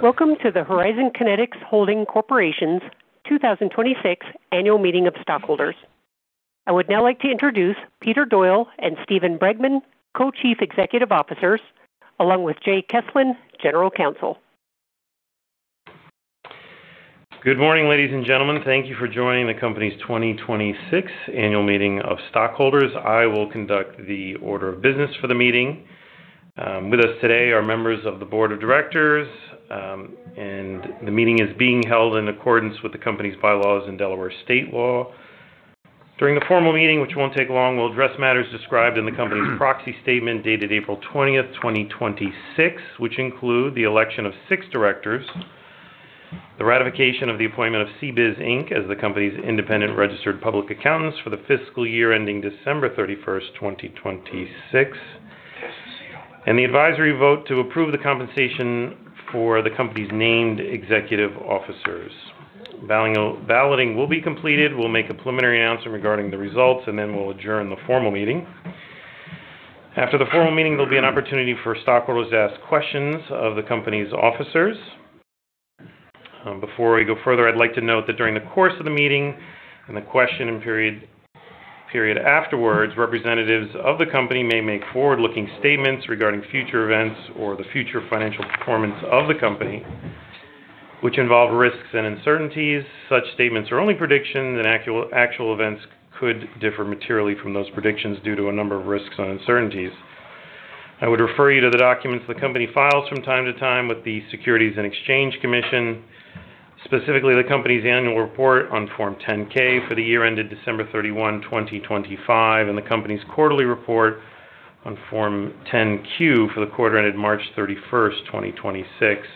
Welcome to the Horizon Kinetics Holding Corporation's 2026 Annual Meeting of stockholders. I would now like to introduce Peter Doyle and Steven Bregman, Co-Chief Executive Officers, along with Jay Kesslen, General Counsel. Good morning, ladies and gentlemen. Thank you for joining the company's 2026 annual meeting of stockholders. I will conduct the order of business for the meeting. With us today are members of the board of directors. The meeting is being held in accordance with the company's bylaws and Delaware state law. During the formal meeting, which won't take long, we'll address matters described in the company's proxy statement dated April 20th 2026, which include the election of six directors, the ratification of the appointment of CBIZ Inc. as the company's independent registered public accountants for the fiscal year ending December 31st 2026, and the advisory vote to approve the compensation for the company's named executive officers. Balloting will be completed. We'll make a preliminary announcement regarding the results. Then we'll adjourn the formal meeting. After the formal meeting, there'll be an opportunity for stockholders to ask questions of the company's officers. Before we go further, I'd like to note that during the course of the meeting and the question period afterwards, representatives of the company may make forward-looking statements regarding future events or the future financial performance of the company, which involve risks and uncertainties. Such statements are only predictions. Actual events could differ materially from those predictions due to a number of risks and uncertainties. I would refer you to the documents the company files from time to time with the Securities and Exchange Commission, specifically the company's annual report on Form 10-K for the year ended December 31, 2025, and the company's quarterly report on Form 10-Q for the quarter ended March 31st 2026,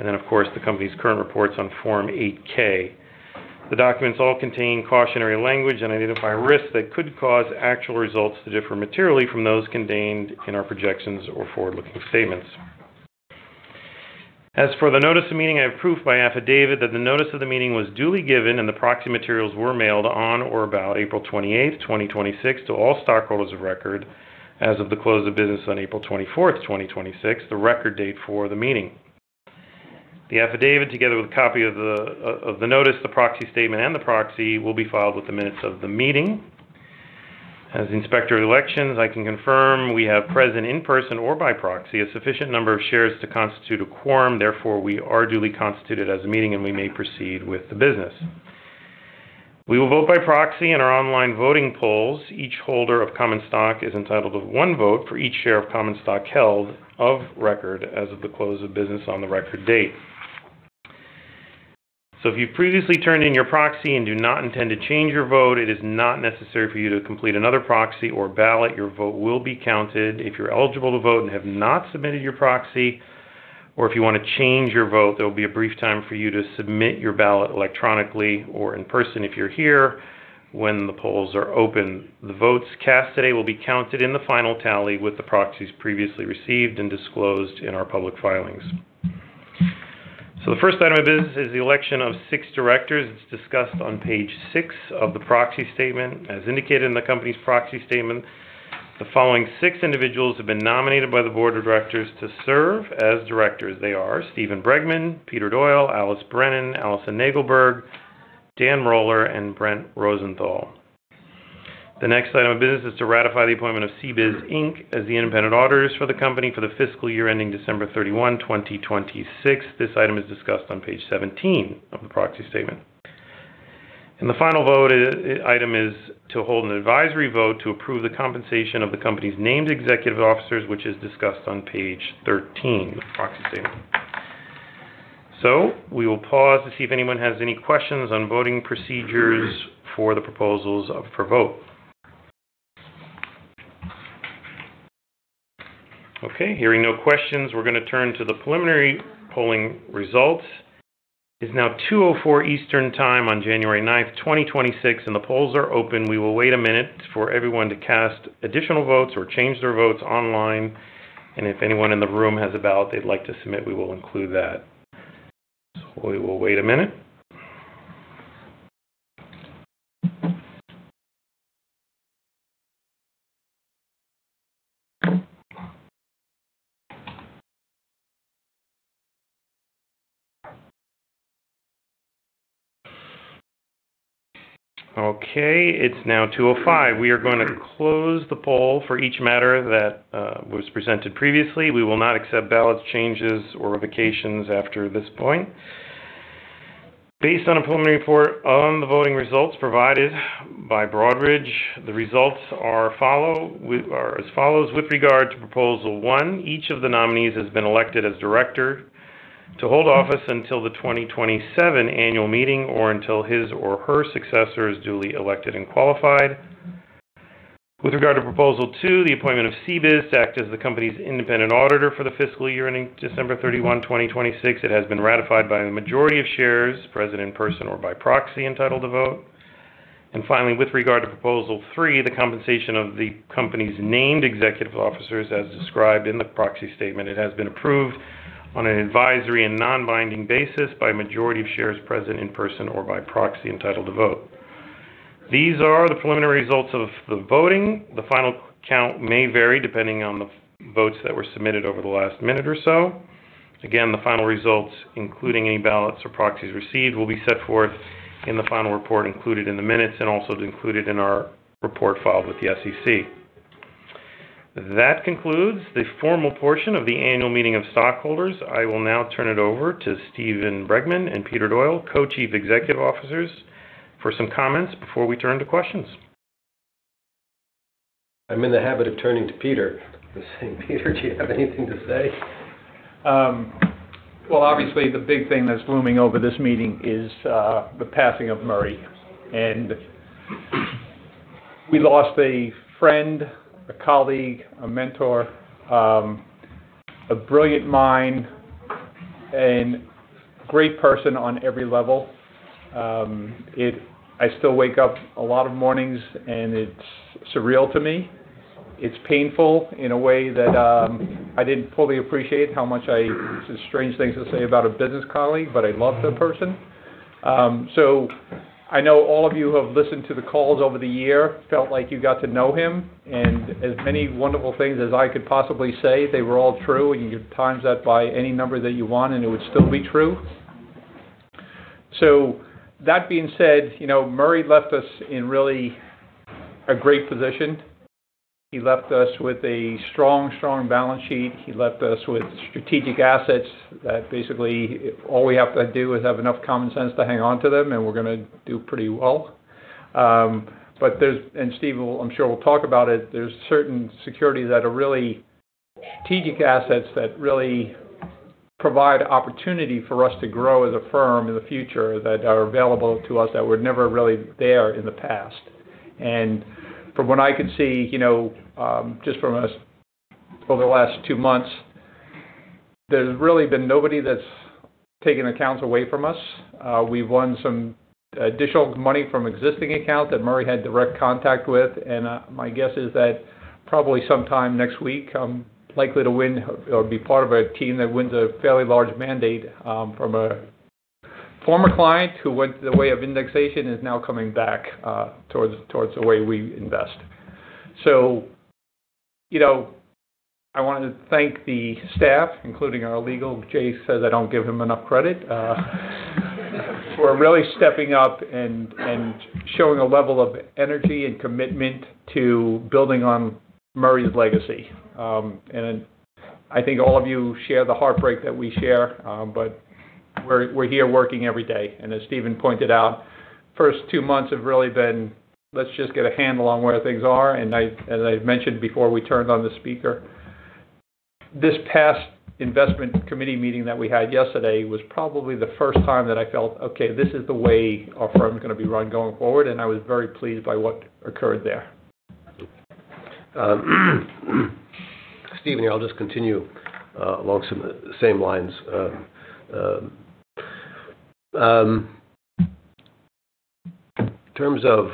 then, of course, the company's current reports on Form 8-K The documents all contain cautionary language. Identify risks that could cause actual results to differ materially from those contained in our projections or forward-looking statements. As for the notice of meeting, I have proof by affidavit that the notice of the meeting was duly given and the proxy materials were mailed on or about April 28th 2026 to all stockholders of record as of the close of business on April 24th 2026, the record date for the meeting. The affidavit, together with a copy of the notice, the proxy statement, and the proxy, will be filed with the minutes of the meeting. As the Inspector of Elections, I can confirm we have present in person or by proxy a sufficient number of shares to constitute a quorum. We are duly constituted as a meeting. We may proceed with the business. We will vote by proxy in our online voting polls. Each holder of common stock is entitled to one vote for each share of common stock held of record as of the close of business on the record date. If you previously turned in your proxy and do not intend to change your vote, it is not necessary for you to complete another proxy or ballot. Your vote will be counted. If you're eligible to vote and have not submitted your proxy or if you want to change your vote, there will be a brief time for you to submit your ballot electronically or in person, if you're here, when the polls are open. The votes cast today will be counted in the final tally with the proxies previously received and disclosed in our public filings. The first item of business is the election of six directors. It's discussed on page six of the proxy statement. As indicated in the company's proxy statement, the following six individuals have been nominated by the board of directors to serve as directors. They are Steven Bregman, Peter Doyle, Alice Brennan, Allison Nagelberg, Dan Roller, and Brent Rosenthal. The next item of business is to ratify the appointment of CBIZ, Inc. as the independent auditors for the company for the fiscal year ending December 31, 2026. This item is discussed on page 17 of the proxy statement. The final item is to hold an advisory vote to approve the compensation of the company's named executive officers, which is discussed on page 13 of the proxy statement. We will pause to see if anyone has any questions on voting procedures for the proposals up for vote. Okay. Hearing no questions, we're going to turn to the preliminary polling results. It is now 2:04 P.M. Eastern Time on January 9, 2026, and the polls are open. We will wait a minute for everyone to cast additional votes or change their votes online, and if anyone in the room has a ballot they'd like to submit, we will include that. We will wait a minute. Okay, it's now 2:05 P.M. We are going to close the poll for each matter that was presented previously. We will not accept ballot changes or revocations after this point. Based on a preliminary report on the voting results provided by Broadridge, the results are as follows. With regard to proposal one, each of the nominees has been elected as director to hold office until the 2027 annual meeting or until his or her successor is duly elected and qualified. With regard to proposal two, the appointment of CBIZ to act as the company's independent auditor for the fiscal year ending December 31, 2026, it has been ratified by a majority of shares present in person or by proxy entitled to vote. Finally, with regard to proposal three, the compensation of the company's named executive officers as described in the proxy statement, it has been approved on an advisory and non-binding basis by a majority of shares present in person or by proxy entitled to vote. These are the preliminary results of the voting. The final count may vary depending on the votes that were submitted over the last minute or so. Again, the final results, including any ballots or proxies received, will be set forth in the final report included in the minutes and also included in our report filed with the SEC. That concludes the formal portion of the annual meeting of stockholders. I will now turn it over to Steven Bregman and Peter Doyle, Co-Chief Executive Officers, for some comments before we turn to questions. I'm in the habit of turning to Peter and saying, "Peter, do you have anything to say?" Obviously the big thing that's looming over this meeting is the passing of Murray. We lost a friend, a colleague, a mentor, a brilliant mind, and great person on every level. I still wake up a lot of mornings and it's surreal to me. It's painful in a way that I didn't fully appreciate how much. It's a strange thing to say about a business colleague, but I loved the person. I know all of you who have listened to the calls over the year felt like you got to know him, and as many wonderful things as I could possibly say, they were all true, and you could times that by any number that you want, and it would still be true. That being said, Murray left us in really a great position. He left us with a strong balance sheet. He left us with strategic assets that basically all we have to do is have enough common sense to hang on to them, and we're going to do pretty well. Steve, I'm sure, will talk about it, there's certain securities that are really strategic assets that really provide opportunity for us to grow as a firm in the future that are available to us that were never really there in the past. From what I could see, just from over the last two months, there's really been nobody that's taken accounts away from us. We've won some additional money from existing accounts that Murray had direct contact with. My guess is that probably sometime next week, I'm likely to win, or be part of a team that wins a fairly large mandate from a former client who went the way of indexation and is now coming back towards the way we invest. I want to thank the staff, including our legal. Jay says I don't give him enough credit. For really stepping up and showing a level of energy and commitment to building on Murray's legacy. I think all of you share the heartbreak that we share. We're here working every day. As Steven pointed out, the first two months have really been, let's just get a handle on where things are. As I mentioned before we turned on the speaker, this past investment committee meeting that we had yesterday was probably the first time that I felt, okay, this is the way our firm's going to be run going forward, and I was very pleased by what occurred there. Steven here. I'll just continue along some same lines. In terms of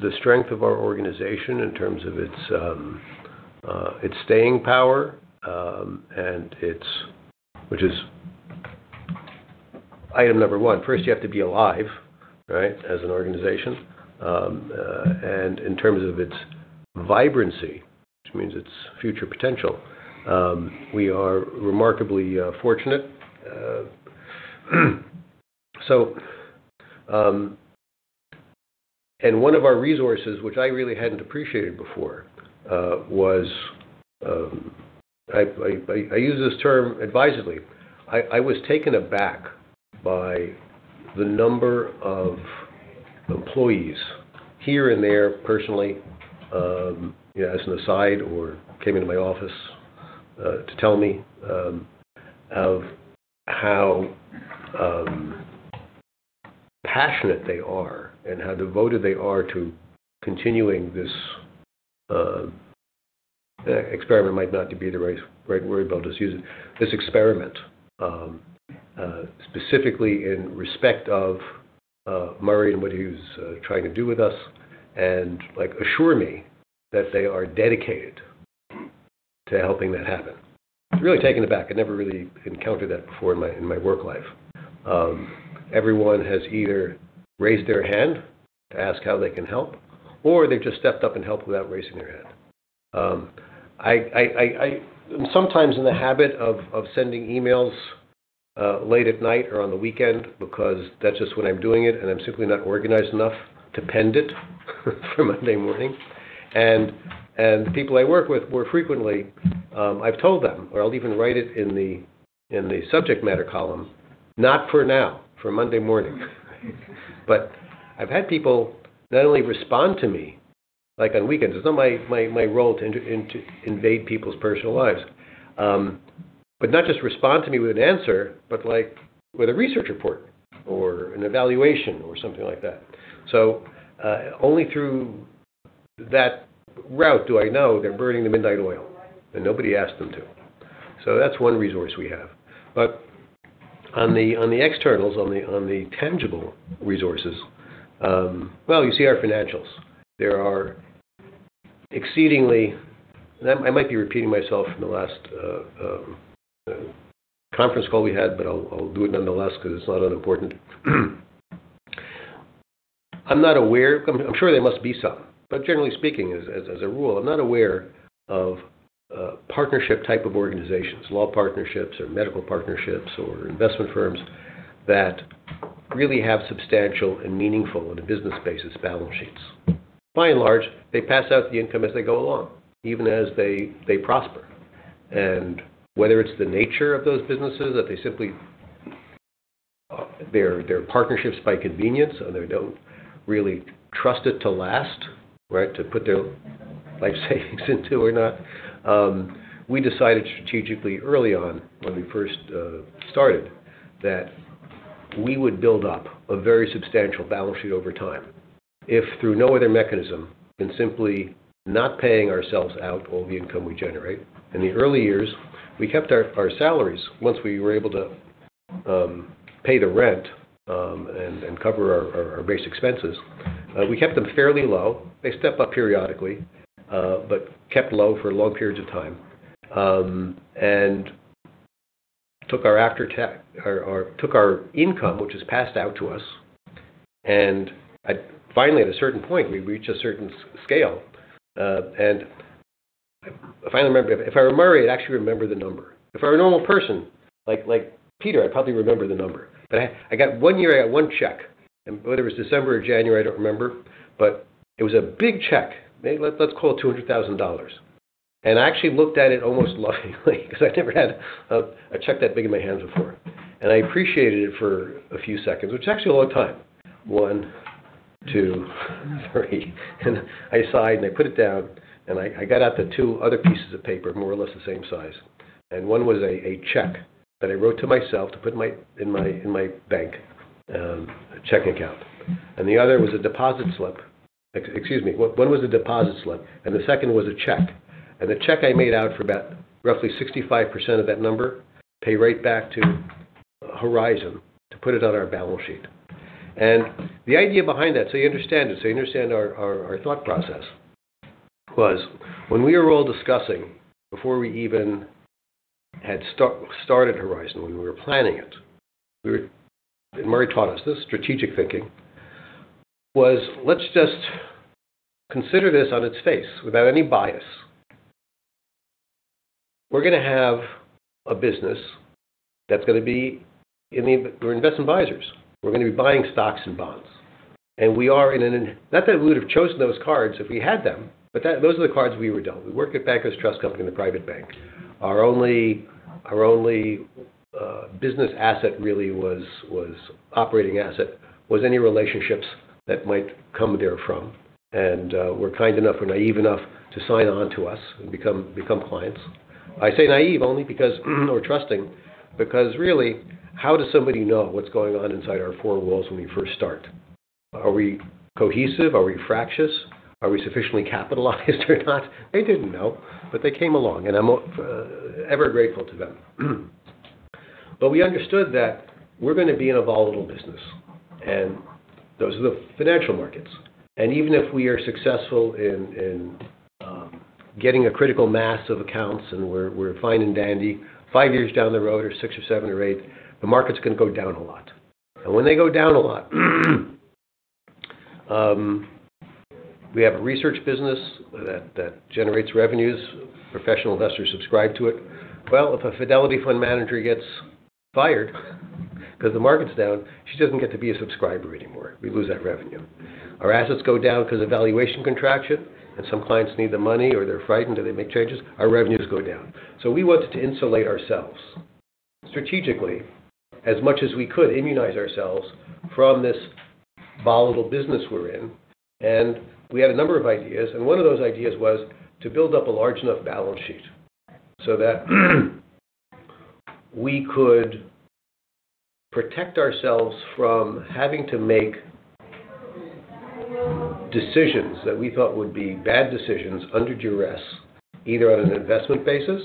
the strength of our organization, in terms of its staying power, which is item number one. First you have to be alive, right, as an organization. In terms of its vibrancy, which means its future potential, we are remarkably fortunate. One of our resources, which I really hadn't appreciated before, was I use this term advisedly. I was taken aback by the number of employees, here and there, personally, as an aside or came into my office to tell me of how passionate they are and how devoted they are to continuing this, experiment might not be the right word, but I'll just use it. This experiment, specifically in respect of Murray and what he was trying to do with us, and assure me that they are dedicated to helping that happen. I was really taken aback. I never really encountered that before in my work life. Everyone has either raised their hand to ask how they can help, or they've just stepped up and helped without raising their hand. I'm sometimes in the habit of sending emails late at night or on the weekend because that's just when I'm doing it, and I'm simply not organized enough to pend it for Monday morning. The people I work with more frequently, I've told them, or I'll even write it in the subject matter column, "Not for now, for Monday morning." I've had people not only respond to me on weekends. It's not my role to invade people's personal lives. Not just respond to me with an answer, but with a research report or an evaluation or something like that. Only through that route do I know they're burning the midnight oil, and nobody asked them to. That's one resource we have. On the externals, on the tangible resources, well, you see our financials. They are exceedingly, and I might be repeating myself from the last conference call we had, but I'll do it nonetheless because it's not unimportant. I'm sure there must be some, but generally speaking, as a rule, I'm not aware of partnership type of organizations, law partnerships or medical partnerships or investment firms that really have substantial and meaningful, on a business basis, balance sheets. By and large, they pass out the income as they go along, even as they prosper. Whether it's the nature of those businesses, that they simply, they're partnerships by convenience and they don't really trust it to last, to put their life savings into or not. We decided strategically early on when we first started that we would build up a very substantial balance sheet over time, if through no other mechanism than simply not paying ourselves out all the income we generate. In the early years, we kept our salaries once we were able to pay the rent and cover our base expenses. We kept them fairly low. They step up periodically but kept low for long periods of time. Took our income, which was passed out to us, and finally at a certain point, we reached a certain scale. I finally remember. If I were Murray, I'd actually remember the number. If I were a normal person like Peter, I'd probably remember the number. I got one year, I got one check, and whether it was December or January, I don't remember, but it was a big check. Maybe let's call it $200,000. I actually looked at it almost lovingly because I'd never had a check that big in my hands before. I appreciated it for a few seconds, which is actually a long time. One, two, three, and I sighed, and I put it down, and I got out the two other pieces of paper, more or less the same size. One was a check that I wrote to myself to put in my bank checking account. The other was a deposit slip. Excuse me. One was a deposit slip, and the second was a check. The check I made out for about roughly 65% of that number, pay right back to Horizon to put it on our balance sheet. The idea behind that, so you understand it, so you understand our thought process, was when we were all discussing before we even had started Horizon, when we were planning it, Murray taught us this strategic thinking, was let's just consider this on its face without any bias. We're going to have a business that's going to be investment advisors. We're going to be buying stocks and bonds. Not that we would've chosen those cards if we had them, but those are the cards we were dealt. We worked at Bankers Trust Company in the private bank. Our only business asset really was any relationships that might come therefrom and were kind enough or naive enough to sign on to us and become clients. I say naive only because we're trusting because really, how does somebody know what's going on inside our four walls when we first start? Are we cohesive? Are we fractious? Are we sufficiently capitalized or not? They didn't know, but they came along, and I'm ever grateful to them. We understood that we're going to be in a volatile business, and those are the financial markets. Even if we are successful in getting a critical mass of accounts and we're fine and dandy, five years down the road or six or seven or eight, the market's going to go down a lot. When they go down a lot, we have a research business that generates revenues. Professional investors subscribe to it. Well, if a Fidelity fund manager gets fired because the market's down, she doesn't get to be a subscriber anymore. We lose that revenue. Our assets go down because of valuation contraction, and some clients need the money or they're frightened and they make changes. Our revenues go down. We wanted to insulate ourselves strategically as much as we could, immunize ourselves from this volatile business we're in. We had a number of ideas, and one of those ideas was to build up a large enough balance sheet so that we could protect ourselves from having to make decisions that we thought would be bad decisions under duress, either on an investment basis.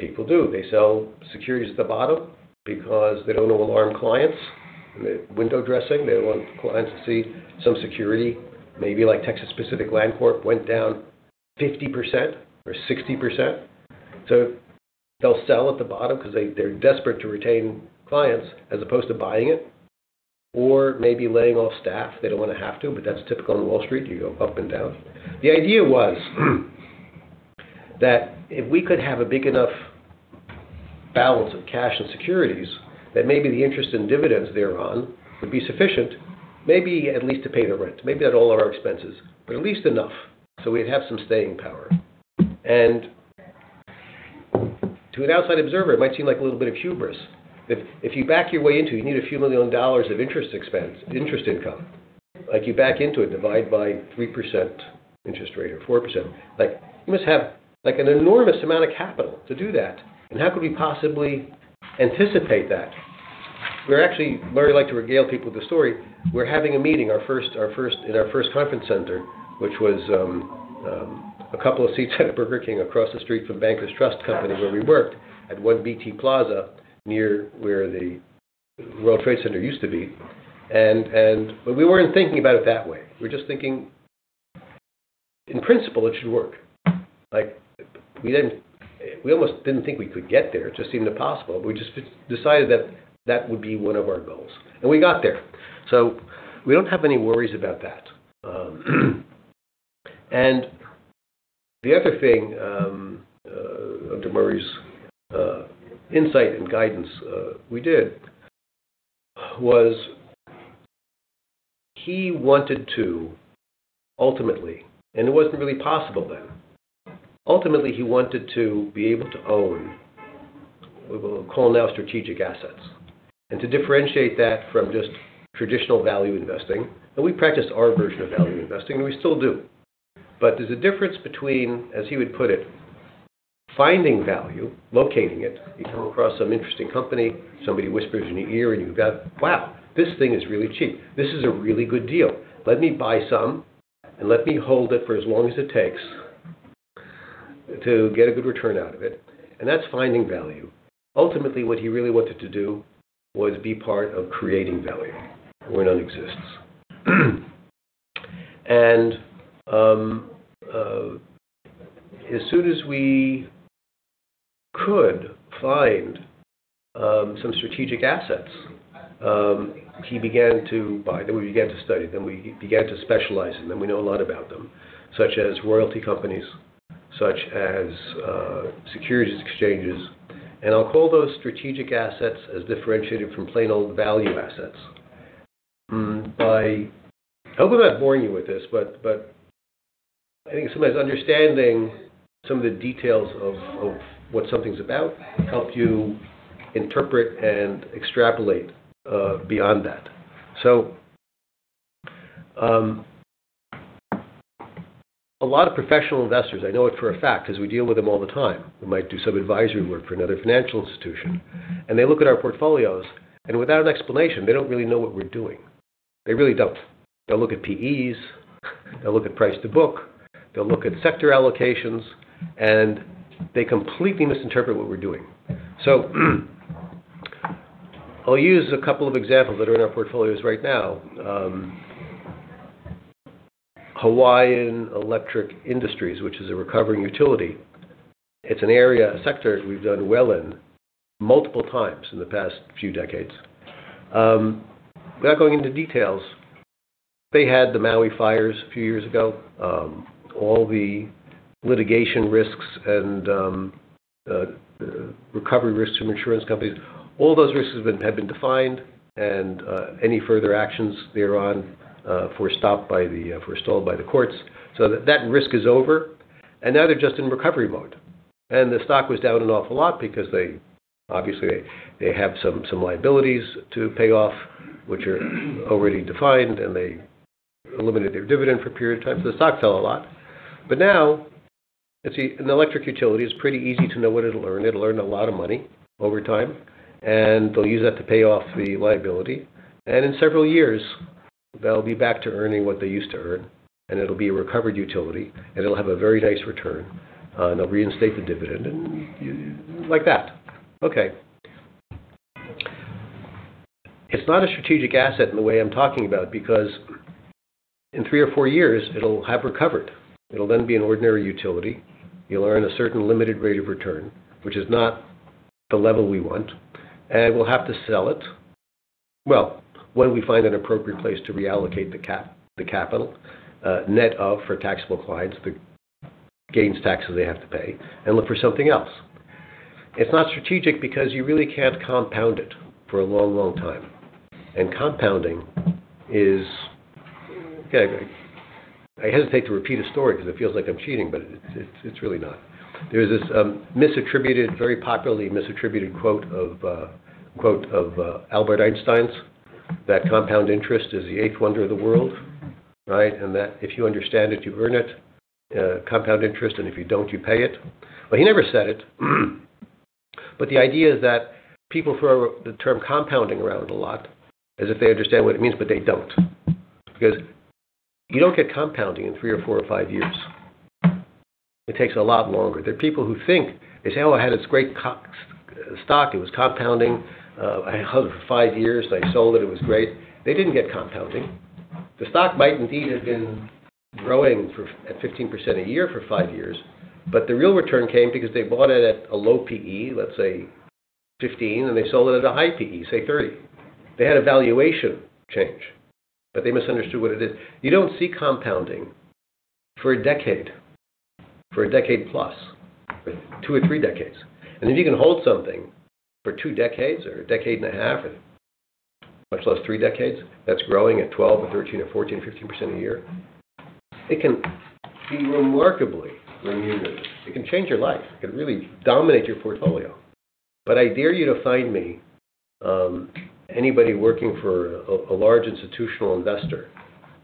People do. They sell securities at the bottom because they don't want to alarm clients. Window dressing. They don't want clients to see some security, maybe like Texas Pacific Land Corp went down 50% or 60%, so they'll sell at the bottom because they're desperate to retain clients as opposed to buying it or maybe laying off staff. They don't want to have to, that's typical on Wall Street. You go up and down. The idea was that if we could have a big enough balance of cash and securities, that maybe the interest in dividends thereon would be sufficient, maybe at least to pay the rent, maybe not all of our expenses, but at least enough so we'd have some staying power. To an outside observer, it might seem like a little bit of hubris. If you back your way into it, you need a few million dollars of interest income. Like you back into it, divide by 3% interest rate or 4%. You must have an enormous amount of capital to do that. How could we possibly anticipate that? We're actually Murray liked to regale people with the story. We're having a meeting in our first conference center, which was a couple of seats at a Burger King across the street from Bankers Trust Company where we worked at 1 BT Plaza near where the World Trade Center used to be. We weren't thinking about it that way. We're just thinking, in principle, it should work. We almost didn't think we could get there. It just seemed impossible. We just decided that that would be one of our goals, and we got there. We don't have any worries about that. The other thing of Murray's insight and guidance we did was he wanted to ultimately, it wasn't really possible then. Ultimately, he wanted to be able to own what we'll call now strategic assets, to differentiate that from just traditional value investing. We practiced our version of value investing, and we still do. There's a difference between, as he would put it, finding value, locating it. You come across some interesting company, somebody whispers in your ear, you go, "Wow, this thing is really cheap. This is a really good deal. Let me buy some, let me hold it for as long as it takes to get a good return out of it." That's finding value. Ultimately, what he really wanted to do was be part of creating value where none exists. As soon as we could find some strategic assets he began to buy, we began to study, we began to specialize in them. We know a lot about them, such as royalty companies, such as securities exchanges. I'll call those strategic assets as differentiated from plain old value assets. I hope I'm not boring you with this, but I think sometimes understanding some of the details of what something's about helps you interpret and extrapolate beyond that. A lot of professional investors, I know it for a fact because we deal with them all the time. We might do some advisory work for another financial institution, they look at our portfolios, without an explanation, they don't really know what we're doing. They really don't. They'll look at P/Es. They'll look at price to book. They'll look at sector allocations, they completely misinterpret what we're doing. I'll use a couple of examples that are in our portfolios right now. Hawaiian Electric Industries, which is a recovering utility. It's an area, a sector we've done well in multiple times in the past few decades. Without going into details, they had the Maui fires a few years ago. All the litigation risks and recovery risks from insurance companies. All those risks have been defined any further actions thereon were stalled by the courts. That risk is over, now they're just in recovery mode. Now, an electric utility is pretty easy to know what it'll earn. It'll earn a lot of money over time, they'll use that to pay off the liability. In several years, they'll be back to earning what they used to earn, it'll be a recovered utility. It'll have a very nice return. They'll reinstate the dividend like that. Okay. It's not a strategic asset in the way I'm talking about it because in three or four years, it'll have recovered. It'll be an ordinary utility. You'll earn a certain limited rate of return, which is not the level we want, we'll have to sell it. When we find an appropriate place to reallocate the capital net of, for taxable clients, the gains taxes they have to pay look for something else. It's not strategic because you really can't compound it for a long, long time. Compounding is Okay. I hesitate to repeat a story because it feels like I'm cheating, but it's really not. There's this very popularly misattributed quote of Albert Einstein's that compound interest is the eighth wonder of the world, right? That if you understand it, you earn it, compound interest, if you don't, you pay it. He never said it. The idea is that people throw the term compounding around a lot as if they understand what it means, but they don't. You don't get compounding in three or four or five years. It takes a lot longer. There are people who think, they say, "Oh, I had this great stock." It was compounding. "I held it for five years. I sold it. It was great." They didn't get compounding. The stock might indeed have been growing at 15% a year for five years, but the real return came because they bought it at a low P/E, let's say 15, and they sold it at a high P/E, say 30. They had a valuation change, but they misunderstood what it is. You don't see compounding for a decade, for a decade plus, or two or three decades. If you can hold something for two decades or a decade and a half or much less three decades, that's growing at 12 or 13 or 14, 15% a year. It can be remarkably remunerative. It can change your life. It can really dominate your portfolio. I dare you to find me anybody working for a large institutional investor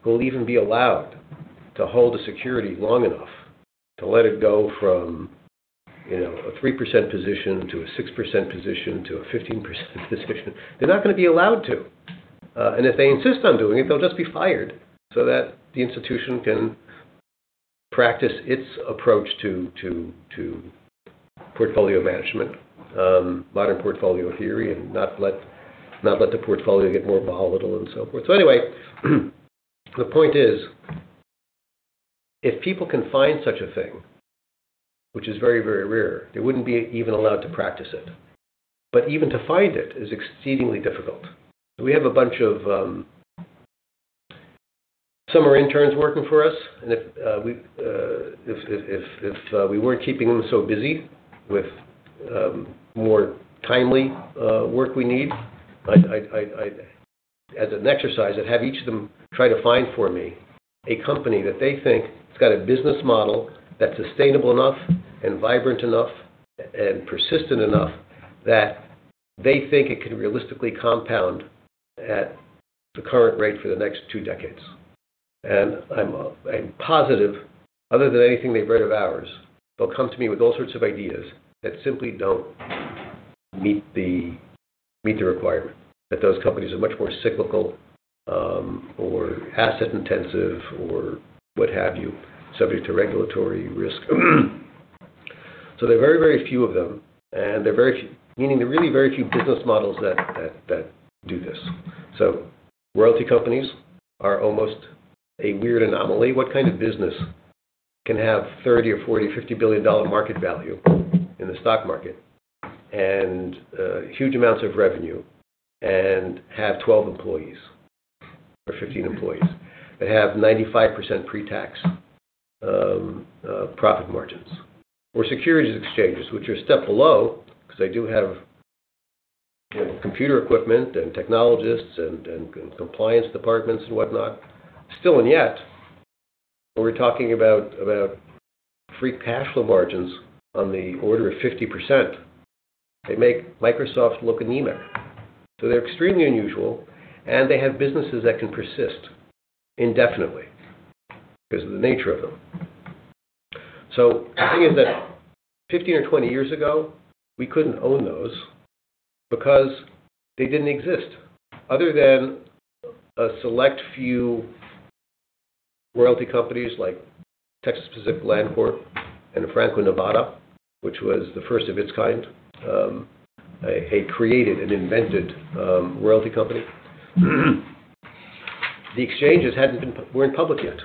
who will even be allowed to hold a security long enough to let it go from a 3% position to a 6% position to a 15% position. They're not going to be allowed to. If they insist on doing it, they'll just be fired so that the institution can practice its approach to portfolio management, Modern Portfolio Theory, and not let the portfolio get more volatile and so forth. Anyway, the point is if people can find such a thing, which is very rare, they wouldn't be even allowed to practice it. But even to find it is exceedingly difficult. We have a bunch of summer interns working for us, and if we weren't keeping them so busy with more timely work we need, I'd, as an exercise, I'd have each of them try to find for me a company that they think has got a business model that's sustainable enough and vibrant enough and persistent enough that they think it could realistically compound at the current rate for the next two decades. I'm positive, other than anything they've heard of ours, they'll come to me with all sorts of ideas that simply don't meet the requirement, that those companies are much more cyclical or asset intensive or what have you, subject to regulatory risk. They're very few of them. Meaning there are really very few business models that do this. Royalty companies are almost a weird anomaly. What kind of business can have 30 or 40, $50 billion market value in the stock market and huge amounts of revenue and have 12 employees or 15 employees, that have 95% pre-tax profit margins? Or securities exchanges, which are a step below because they do have computer equipment and technologists and compliance departments and whatnot. Still and yet, we're talking about free cash flow margins on the order of 50%. They make Microsoft look anemic. They're extremely unusual, and they have businesses that can persist indefinitely because of the nature of them. The thing is that 15 or 20 years ago, we couldn't own those because they didn't exist other than a select few royalty companies like Texas Pacific Land Corp and Franco-Nevada, which was the first of its kind. It created and invented a royalty company. The exchanges weren't public yet,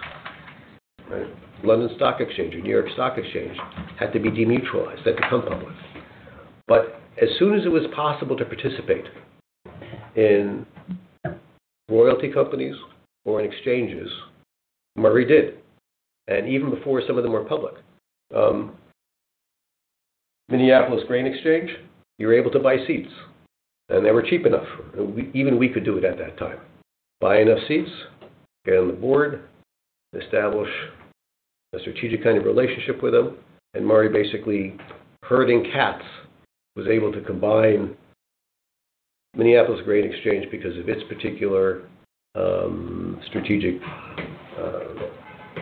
right? London Stock Exchange or New York Stock Exchange had to be demutualized, they had to come public. As soon as it was possible to participate in royalty companies or in exchanges, Murray did. Even before some of them were public. Minneapolis Grain Exchange, you're able to buy seats, and they were cheap enough. Even we could do it at that time. Buy enough seats, get on the board, establish a strategic kind of relationship with them. Murray basically herding cats, was able to combine Minneapolis Grain Exchange because of its particular strategic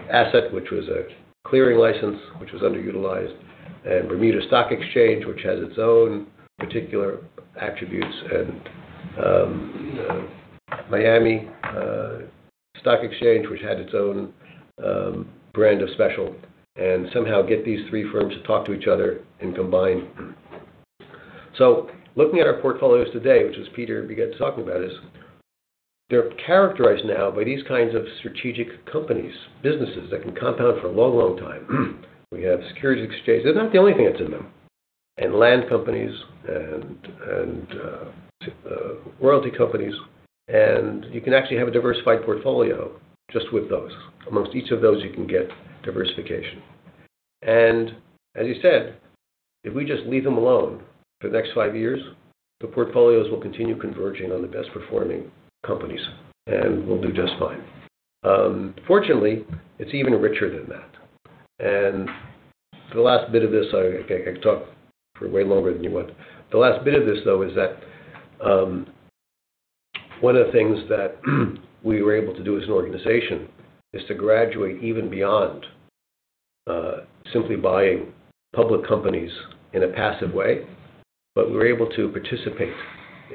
asset, which was a clearing license, which was underutilized. Bermuda Stock Exchange, which has its own particular attributes. Miami Stock Exchange, which had its own brand of special. Somehow get these three firms to talk to each other and combine. Looking at our portfolios today, which Peter began to talk about, they're characterized now by these kinds of strategic companies, businesses that can compound for a long time. We have securities exchange. They're not the only thing that's in them. Land companies and royalty companies. You can actually have a diversified portfolio just with those. Amongst each of those, you can get diversification. As you said, if we just leave them alone for the next five years, the portfolios will continue converging on the best performing companies and we'll do just fine. Fortunately, it's even richer than that. For the last bit of this, I can talk for way longer than you want. The last bit of this, though, is that one of the things that we were able to do as an organization is to graduate even beyond simply buying public companies in a passive way. We're able to participate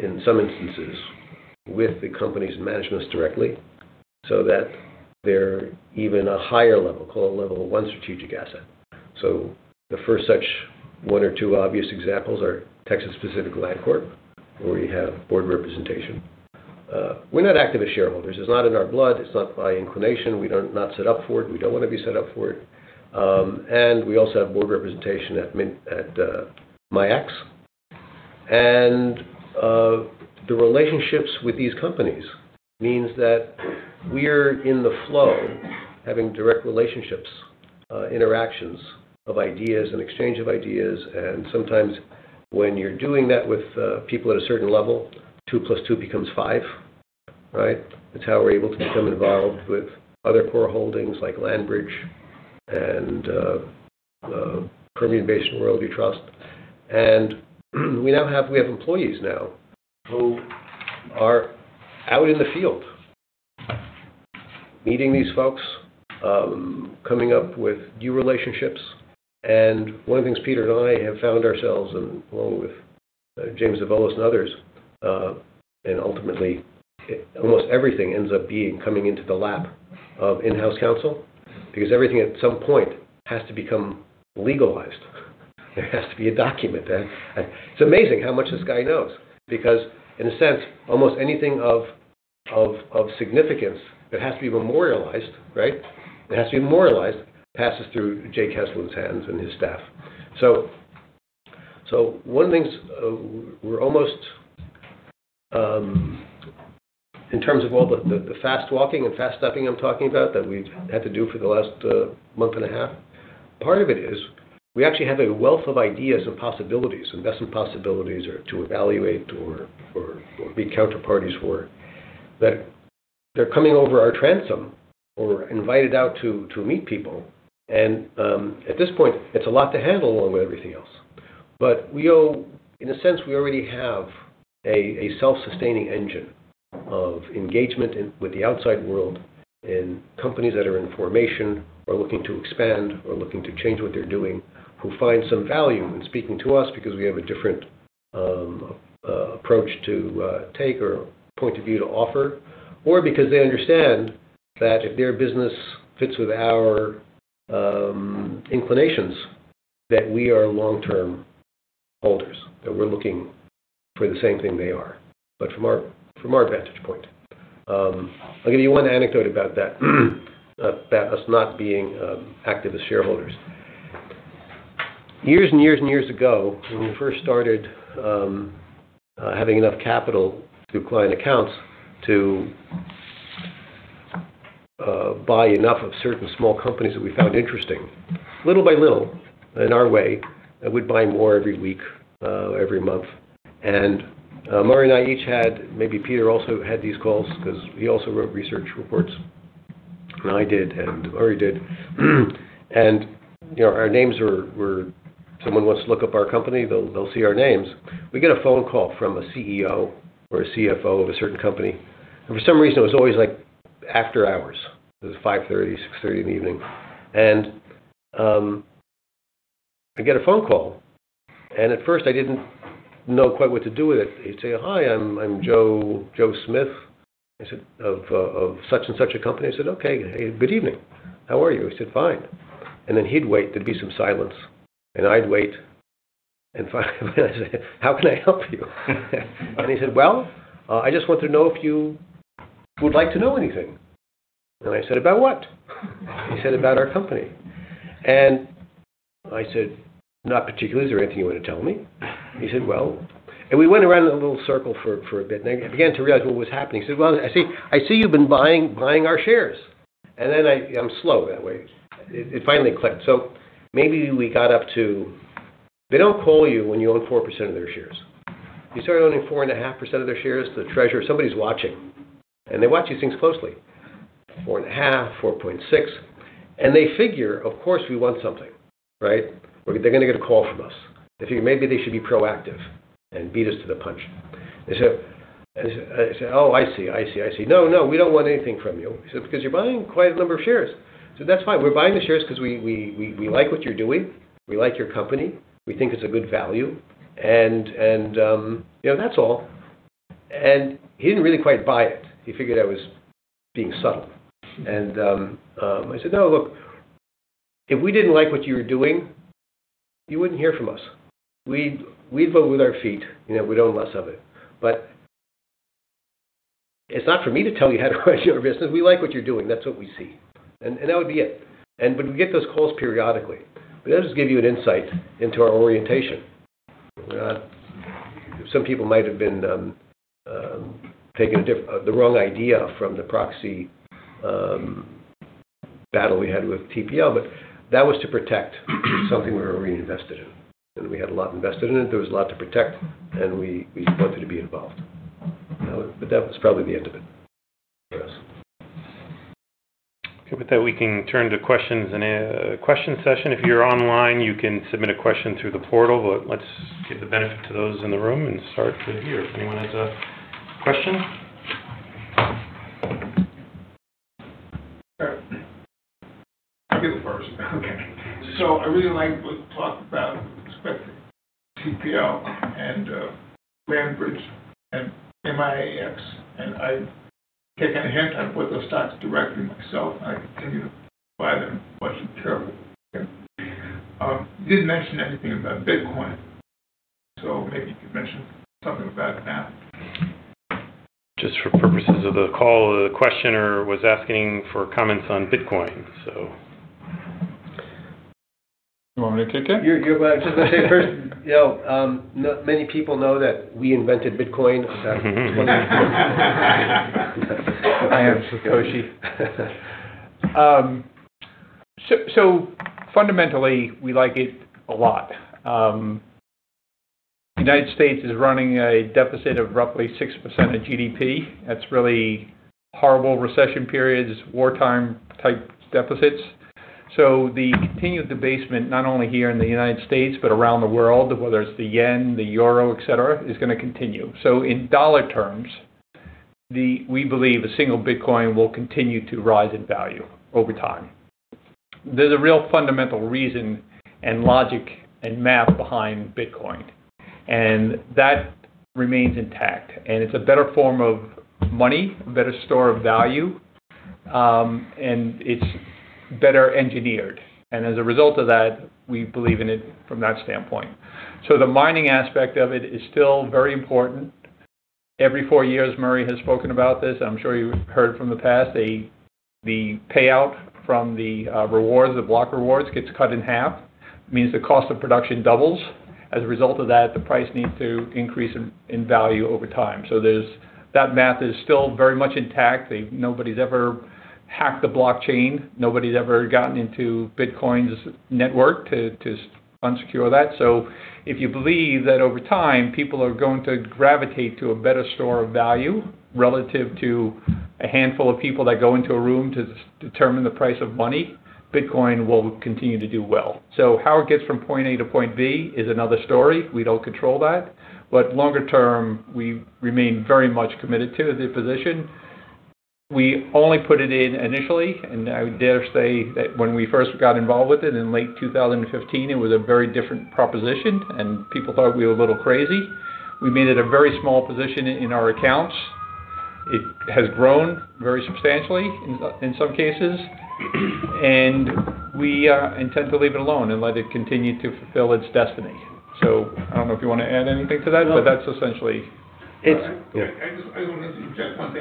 in some instances with the company's management directly, so that they're even a higher level, call it level 1 strategic asset. The first such one or two obvious examples are Texas Pacific Land Corp., where we have board representation. We're not activist shareholders. It's not in our blood. It's not by inclination. We're not set up for it. We don't want to be set up for it. We also have board representation at MIAX. The relationships with these companies means that we're in the flow, having direct relationships, interactions of ideas and exchange of ideas, and sometimes when you're doing that with people at a certain level, 2 plus 2 becomes 5, right? That's how we're able to become involved with other core holdings like LandBridge and Permian Basin Royalty Trust. We have employees now who are out in the field meeting these folks, coming up with new relationships. One of the things Peter and I have found ourselves, along with James Davolos and others. Ultimately, almost everything ends up coming into the lap of in-house counsel, because everything at some point has to become legalized. There has to be a document then. It's amazing how much this guy knows, because in a sense, almost anything of significance, it has to be memorialized, right? It has to be memorialized, passes through Jay Kesslen's hands and his staff. One of the things, we're almost in terms of all the fast walking and fast stepping I'm talking about that we've had to do for the last month and a half, part of it is we actually have a wealth of ideas and possibilities, investment possibilities, or to evaluate or be counterparties for. They're coming over our transom or invited out to meet people, and at this point, it's a lot to handle along with everything else. In a sense, we already have a self-sustaining engine of engagement with the outside world and companies that are in formation or looking to expand or looking to change what they're doing, who find some value in speaking to us because we have a different approach to take or point of view to offer. Because they understand that if their business fits with our inclinations, that we are long-term holders, that we're looking for the same thing they are, but from our vantage point. I'll give you one anecdote about that, about us not being activist shareholders. Years and years and years ago, when we first started having enough capital through client accounts to buy enough of certain small companies that we found interesting, little by little, in our way, we'd buy more every week, every month. Murray and I each had, maybe Peter also had these calls because he also wrote research reports. I did, and Murray did. Our names were, someone wants to look up our company, they'll see our names. We get a phone call from a CEO or a CFO of a certain company. For some reason, it was always after hours. It was 5:30 P.M., 6:30 P.M. in the evening. I get a phone call. At first, I didn't know quite what to do with it. He'd say, "Hi, I'm Joe Smith," I said, "Of such and such a company." I said, "Okay. Good evening. How are you?" He said, "Fine." Then he'd wait, there'd be some silence, and I'd wait. Finally, I'd say, "How can I help you?" He said, "Well, I just want to know if you would like to know anything." I said, "About what?" He said, "About our company." I said, "Not particularly. Is there anything you want to tell me?" He said, "Well." We went around in a little circle for a bit, and I began to realize what was happening. He said, "Well, I see you've been buying our shares." Then I'm slow that way. It finally clicked. Maybe we got up to They don't call you when you own 4% of their shares. You start owning 4.5% of their shares, the treasurer, somebody's watching, and they watch these things closely. 4.5%, 4.6%, and they figure, of course, we want something, right? They're going to get a call from us. They figure maybe they should be proactive and beat us to the punch. I said, "Oh, I see." "No, we don't want anything from you." He said, "Because you're buying quite a number of shares." I said, "That's fine. We're buying the shares because we like what you're doing. We like your company. We think it's a good value, and that's all." He didn't really quite buy it. He figured I was being subtle. I said, "No, look, if we didn't like what you were doing, you wouldn't hear from us. We vote with our feet. We don't mess with it. It's not for me to tell you how to run your business. We like what you're doing. That's what we see." That would be it. We get those calls periodically. That'll just give you an insight into our orientation. Some people might have been taking the wrong idea from the proxy battle we had with TPL, but that was to protect something we were already invested in. We had a lot invested in it, there was a lot to protect, and we wanted to be involved. That was probably the end of it for us. Okay, with that, we can turn to question session. If you're online, you can submit a question through the portal. Let's give the benefit to those in the room and start here. If anyone has a question. I'll be the first. Okay. I really liked what the talk about expecting TPL and LandBridge and MIAX, I've taken a haircut with those stocks directly myself. I continue to buy them. Terrible. You didn't mention anything about Bitcoin, maybe you could mention something about that. Just for purposes of the call, the questioner was asking for comments on Bitcoin, so You want me to take it? You're going to say it first? Not many people know that we invented Bitcoin. I am Satoshi. Fundamentally, we like it a lot. U.S. is running a deficit of roughly 6% of GDP. That's really horrible recession periods, wartime-type deficits. The continued debasement, not only here in the U.S., but around the world, whether it's the yen, the euro, et cetera, is going to continue. In dollar terms, we believe a single Bitcoin will continue to rise in value over time. There's a real fundamental reason and logic and math behind Bitcoin. That remains intact. It's a better form of money, a better store of value, and it's better engineered. As a result of that, we believe in it from that standpoint. The mining aspect of it is still very important. Every four years, Murray has spoken about this. I'm sure you've heard from the past. The payout from the rewards, the block rewards, gets cut in half. It means the cost of production doubles. As a result of that, the price needs to increase in value over time. That math is still very much intact. Nobody's ever hacked the Blockchain. Nobody's ever gotten into Bitcoin's network to unsecure that. If you believe that over time, people are going to gravitate to a better store of value relative to a handful of people that go into a room to determine the price of money, Bitcoin will continue to do well. How it gets from point A to point B is another story. We don't control that. Longer term, we remain very much committed to the position. We only put it in initially. I dare say that when we first got involved with it in late 2015, it was a very different proposition, and people thought we were a little crazy. We made it a very small position in our accounts. It has grown very substantially in some cases. We intend to leave it alone and let it continue to fulfill its destiny. I don't know if you want to add anything to that. No. That's essentially it. All right. I just want to interject one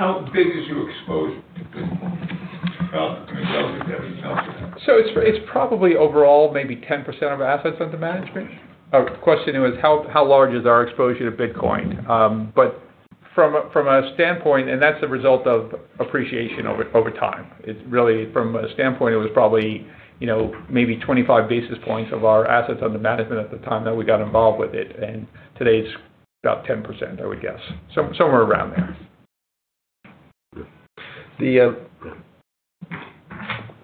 thing. How big is your exposure to Bitcoin, relative to everything else? It's probably overall maybe 10% of our assets under management. Question was how large is our exposure to Bitcoin? That's the result of appreciation over time. It's really from a standpoint, it was probably maybe 25 basis points of our assets under management at the time that we got involved with it, and today it's about 10%, I would guess. Somewhere around there. Good.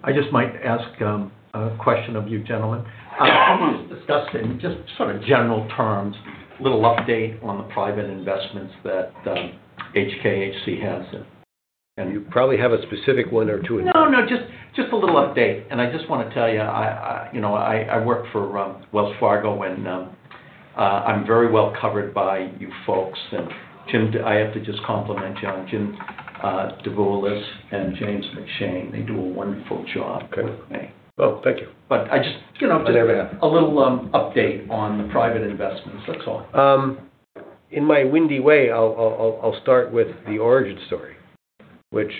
I just might ask a question of you gentlemen. Sure. Can you just discuss in just sort of general terms, a little update on the private investments that HKHC has? You probably have a specific one or two in mind. No, no. Just a little update. I just want to tell you, I work for Wells Fargo, and I'm very well covered by you folks. Tim, I have to just compliment you on Jim Davolos and James McShane. They do a wonderful job with me. Oh, thank you. But I just- You deserve it A little update on the private investments. That's all. In my windy way, I'll start with the origin story, which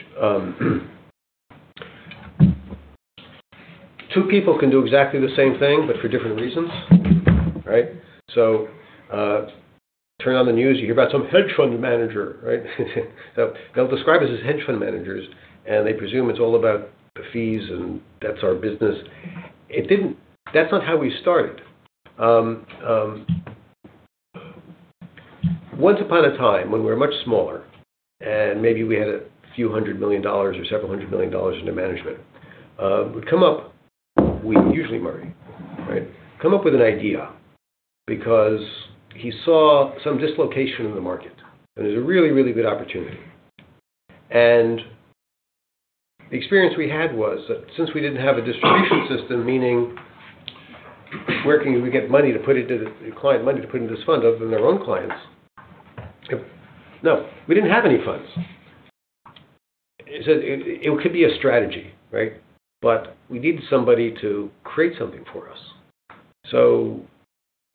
two people can do exactly the same thing, but for different reasons, right? Turn on the news, you hear about some hedge fund manager, right? They'll describe us as hedge fund managers, and they presume it's all about the fees and that's our business. That's not how we started. Once upon a time, when we were much smaller, maybe we had a few hundred million dollars or several hundred million dollars under management, we'd come up usually Murray, right? Come up with an idea because he saw some dislocation in the market, and it was a really good opportunity. The experience we had was that since we didn't have a distribution system, meaning where can we get client money to put into this fund other than their own clients? No, we didn't have any funds. It could be a strategy, right? We need somebody to create something for us.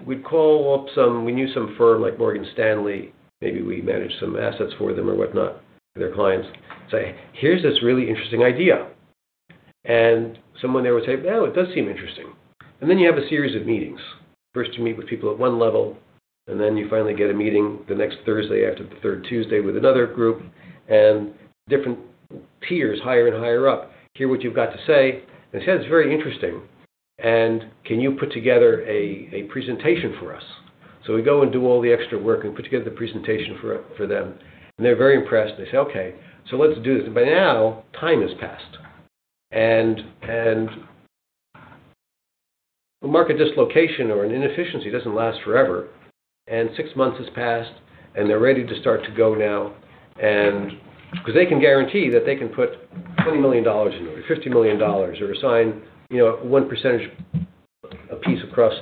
We'd call up we knew some firm like Morgan Stanley. Maybe we managed some assets for them or whatnot for their clients. Say, "Here's this really interesting idea." Someone there would say, "Oh, it does seem interesting." Then you have a series of meetings. First, you meet with people at one level, then you finally get a meeting the next Thursday after the third Tuesday with another group, different peers higher and higher up hear what you've got to say and say, "It's very interesting, can you put together a presentation for us?" We go and do all the extra work and put together the presentation for them, they're very impressed, they say, "Okay, let's do this." Now time has passed, a market dislocation or an inefficiency doesn't last forever. Six months has passed, they're ready to start to go now, because they can guarantee that they can put $20 million in or $50 million or assign 1% a piece across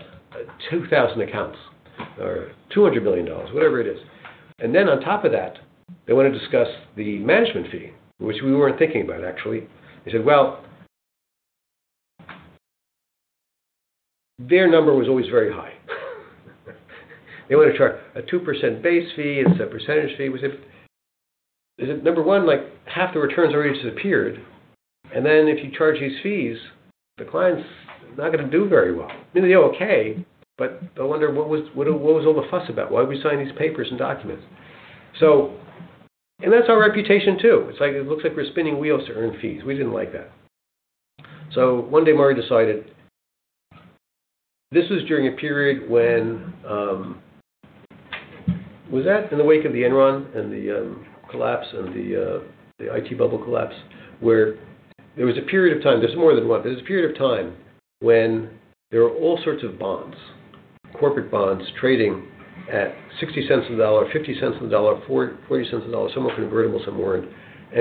2,000 accounts or $200 million, whatever it is. Then on top of that, they want to discuss the management fee, which we weren't thinking about, actually. They said, well. Their number was always very high. They want to charge a 2% base fee. It's a percentage fee. Number one, half the return's already disappeared, if you charge these fees, the client's not going to do very well. I mean, they'll be okay, they'll wonder, what was all the fuss about? Why did we sign these papers and documents? That's our reputation, too. It looks like we're spinning wheels to earn fees. We didn't like that. One day, Murray decided. This was during a period when, was that in the wake of the Enron and the collapse and the IT bubble collapse, where there was a period of time. There's more than one, but there was a period of time when there were all sorts of bonds corporate bonds trading at $0.60 on the dollar, $0.50 on the dollar, $0.40 on the dollar, some were convertible, some weren't.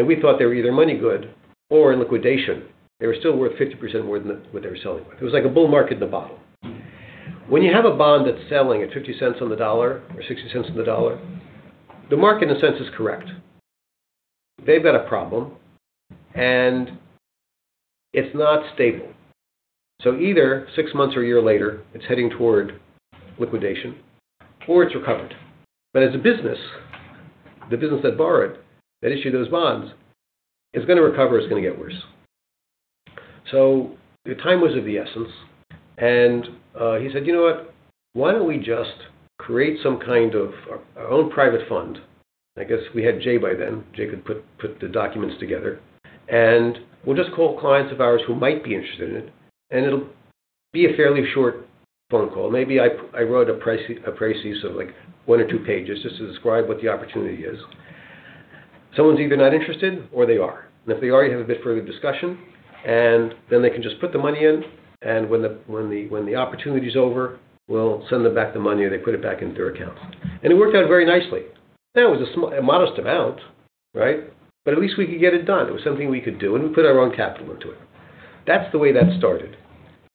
We thought they were either money good or in liquidation. They were still worth 50% more than what they were selling for. It was like a bull market in a bottle. When you have a bond that's selling at $0.50 on the dollar or $0.60 on the dollar, the market, in a sense, is correct. They've got a problem, it's not stable. Either six months or a year later, it's heading toward liquidation or it's recovered. As a business, the business that borrowed, that issued those bonds, it's going to recover or it's going to get worse. The time was of the essence, he said, "You know what? Why don't we just create some kind of our own private fund?" I guess we had Jay by then. Jay could put the documents together. We'll just call clients of ours who might be interested in it, and it'll be a fairly short phone call. Maybe I wrote a precis of one or two pages just to describe what the opportunity is. Someone's either not interested or they are. If they are, you have a bit further discussion, and then they can just put the money in, and when the opportunity is over, we'll send them back the money, or they put it back into their accounts. It worked out very nicely. It was a modest amount, right? At least we could get it done. It was something we could do, and we put our own capital into it. That's the way that started.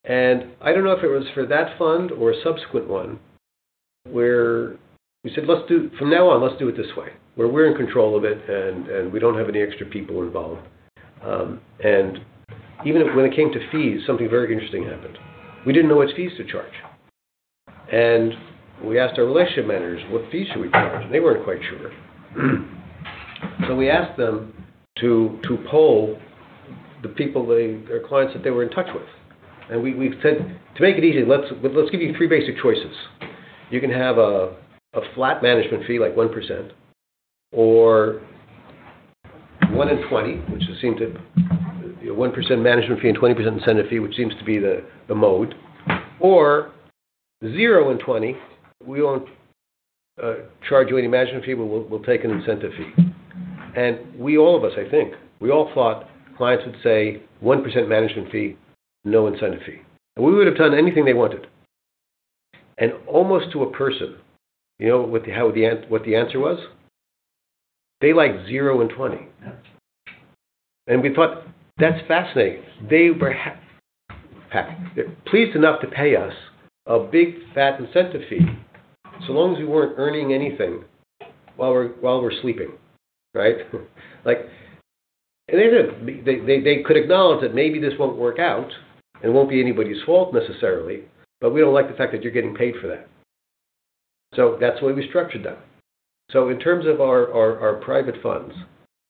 I don't know if it was for that fund or a subsequent one where we said, "From now on, let's do it this way, where we're in control of it, and we don't have any extra people involved." Even when it came to fees, something very interesting happened. We didn't know which fees to charge. We asked our relationship managers, what fees should we charge? They weren't quite sure. We asked them to poll their clients that they were in touch with. We said, "To make it easy, let's give you three basic choices. You can have a flat management fee, like 1%, or 1% and 20%, a 1% management fee and 20% incentive fee, which seems to be the mode, or zero and 20%, we won't charge you any management fee, but we'll take an incentive fee." We, all of us, I think, we all thought clients would say, "1% management fee, no incentive fee." We would've done anything they wanted. Almost to a person, you know what the answer was? They like zero and 20%. Yeah. We thought, that's fascinating. They were pleased enough to pay us a big, fat incentive fee, so long as we weren't earning anything while we're sleeping, right? They could acknowledge that maybe this won't work out, and it won't be anybody's fault necessarily, but we don't like the fact that you're getting paid for that. That's the way we structured that. In terms of our private funds,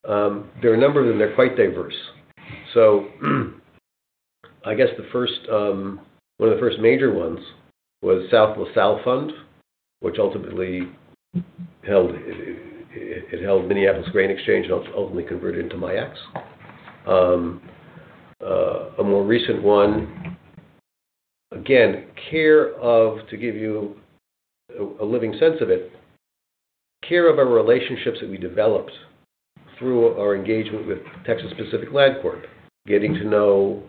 there are a number of them. They're quite diverse. I guess one of the first major ones was South LaSalle Fund, which ultimately held Minneapolis Grain Exchange, and ultimately converted into MIAX. A more recent one, again, care of, to give you a living sense of it, care of our relationships that we developed through our engagement with Texas Pacific Land Corporation, getting to know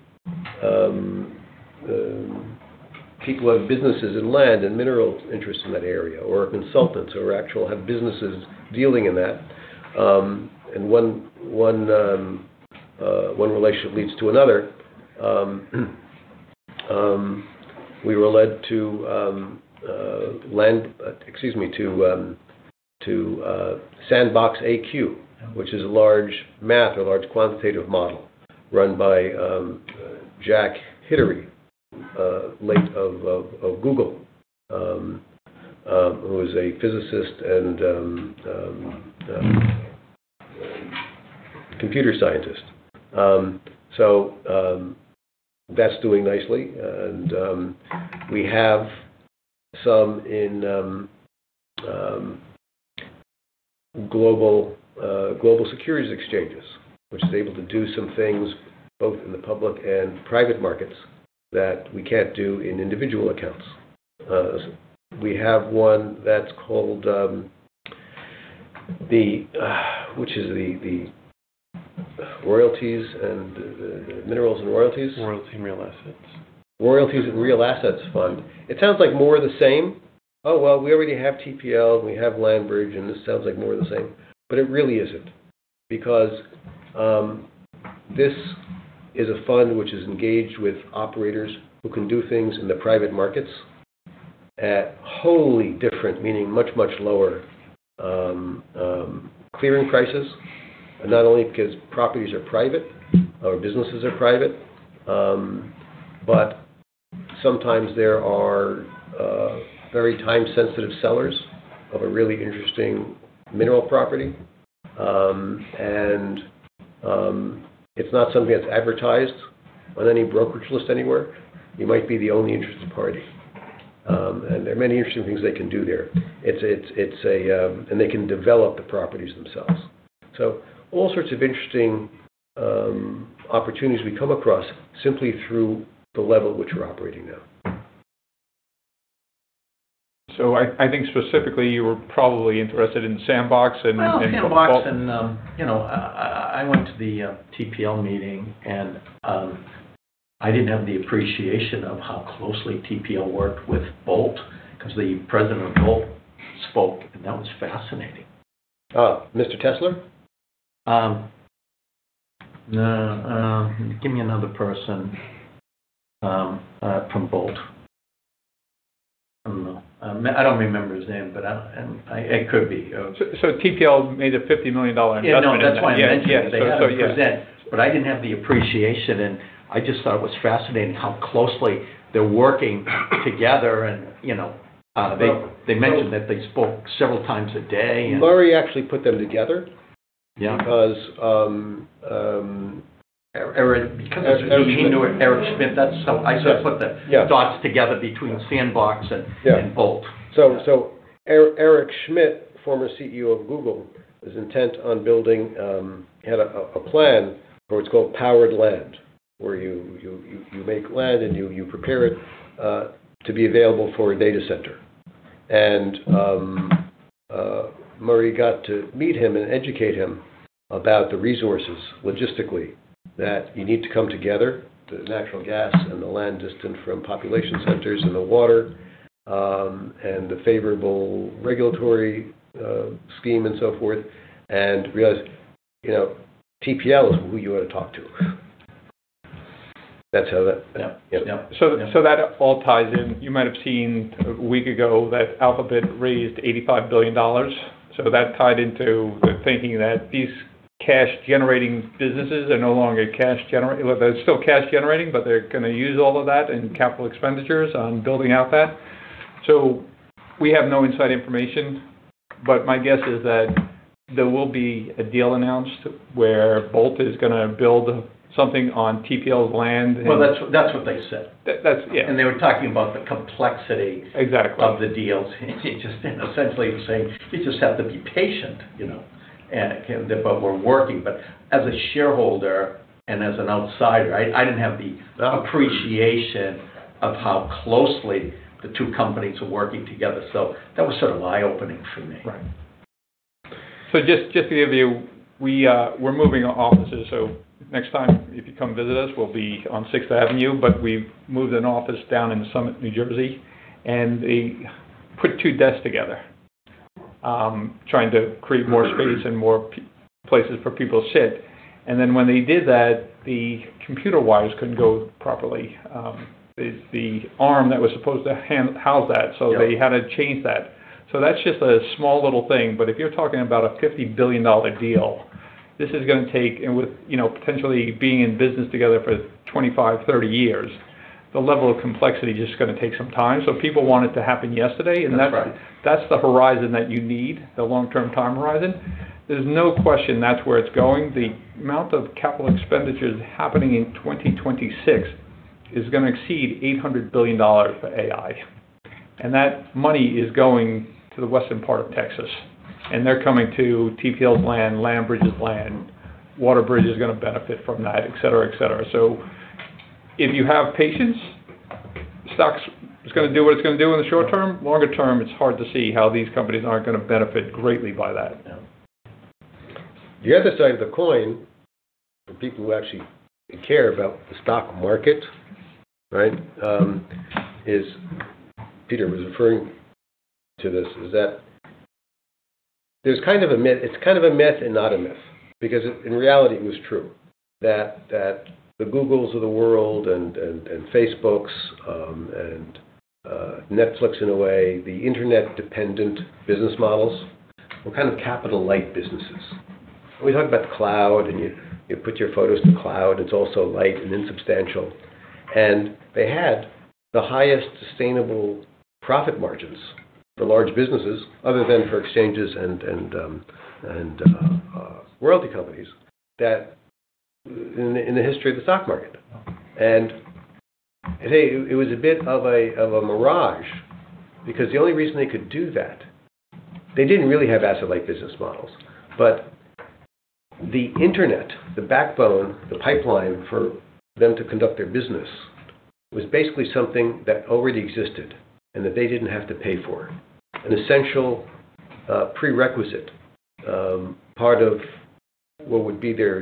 people who have businesses in land and mineral interests in that area, or consultants who actually have businesses dealing in that. One relationship leads to another. We were led to SandboxAQ, which is a large math or large quantitative model run by Jack Hidary, late of Google, who is a physicist and computer scientist. That's doing nicely. We have some in global securities exchanges, which is able to do some things both in the public and private markets that we can't do in individual accounts. We have one that's called the Which is the minerals and royalties? Royalties and Real Assets. Royalties and Real Assets Fund. It sounds like more of the same. Well, we already have TPL, and we have LandBridge, and this sounds like more of the same. It really isn't, because this is a fund which is engaged with operators who can do things in the private markets at wholly different, meaning much, much lower clearing prices. Not only because properties are private or businesses are private, but sometimes there are very time-sensitive sellers of a really interesting mineral property. It's not something that's advertised on any brokerage list anywhere. You might be the only interested party. There are many interesting things they can do there. They can develop the properties themselves. All sorts of interesting opportunities we come across simply through the level at which we're operating now. So I think specifically you were probably interested in Sandbox and- Well, Sandbox and I went to the TPL meeting, and I didn't have the appreciation of how closely TPL worked with Bolt, because the president of Bolt spoke, and that was fascinating. Mr. Kesslen? Give me another person from Bolt Data & Energy. I don't know. I don't remember his name, but it could be. Texas Pacific Land made a $50 million investment in that. Yeah. No, that's why I mentioned it. Yeah. They had him present, but I didn't have the appreciation, and I just thought it was fascinating how closely they're working together. They mentioned that they spoke several times a day. Murray actually put them together. Yeah. Because. Eric, because as a machine or Eric Schmidt, that's how I sort of put. Yeah dots together between Sandbox and- Yeah Bolt. Eric Schmidt, former CEO of Google, is intent on building He had a plan for what's called powered land, where you make land and you prepare it to be available for a data center. Murray got to meet him and educate him about the resources logistically that you need to come together, the natural gas and the land distant from population centers, and the water, and the favorable regulatory scheme and so forth, and realized TPL is who you ought to talk to. That's how that- Yeah. Yeah. Yeah. That all ties in. You might have seen a week ago that Alphabet raised $85 billion. That tied into the thinking that these cash-generating businesses are no longer They're still cash generating, but they're going to use all of that in capital expenditures on building out that. We have no inside information, but my guess is that there will be a deal announced where Bolt is going to build something on TPL's land and- Well, that's what they said. That's, yeah. They were talking about the complexity-. Exactly of the deals. Essentially saying you just have to be patient, but we're working. As a shareholder and as an outsider, I didn't have the appreciation of how closely the two companies were working together. That was sort of eye-opening for me. Right. Just to give you, we're moving offices. Next time if you come visit us, we'll be on 6th Avenue. We've moved an office down in Summit, New Jersey, they put two desks together, trying to create more space and more places for people to sit. When they did that, the computer wires couldn't go properly with the arm that was supposed to house that. Yeah. They had to change that. That's just a small little thing. If you're talking about a $50 billion deal, with potentially being in business together for 25, 30 years, the level of complexity just going to take some time. People want it to happen yesterday, and that's- That's right That's the horizon that you need, the long-term time horizon. There's no question that's where it's going. The amount of capital expenditures happening in 2026 is going to exceed $800 billion for AI. That money is going to the western part of Texas, they're coming to TPL's land, LandBridge's land. WaterBridge is going to benefit from that, et cetera. If you have patience, stock's going to do what it's going to do in the short term. Longer term, it's hard to see how these companies aren't going to benefit greatly by that. Yeah. The other side of the coin for people who actually care about the stock market, right? Peter was referring to this, is that there's kind of a myth. It's kind of a myth and not a myth because in reality, it was true that the Googles of the world and Facebooks, and Netflix in a way, the internet-dependent business models were kind of capital-light businesses. We talk about the cloud, and you put your photos in the cloud. It's all so light and insubstantial. They had the highest sustainable profit margins for large businesses other than for exchanges and royalty companies that in the history of the stock market. Today, it was a bit of a mirage because the only reason they could do that, they didn't really have asset-light business models, but the internet, the backbone, the pipeline for them to conduct their business, was basically something that already existed and that they didn't have to pay for. An essential prerequisite, part of what would be their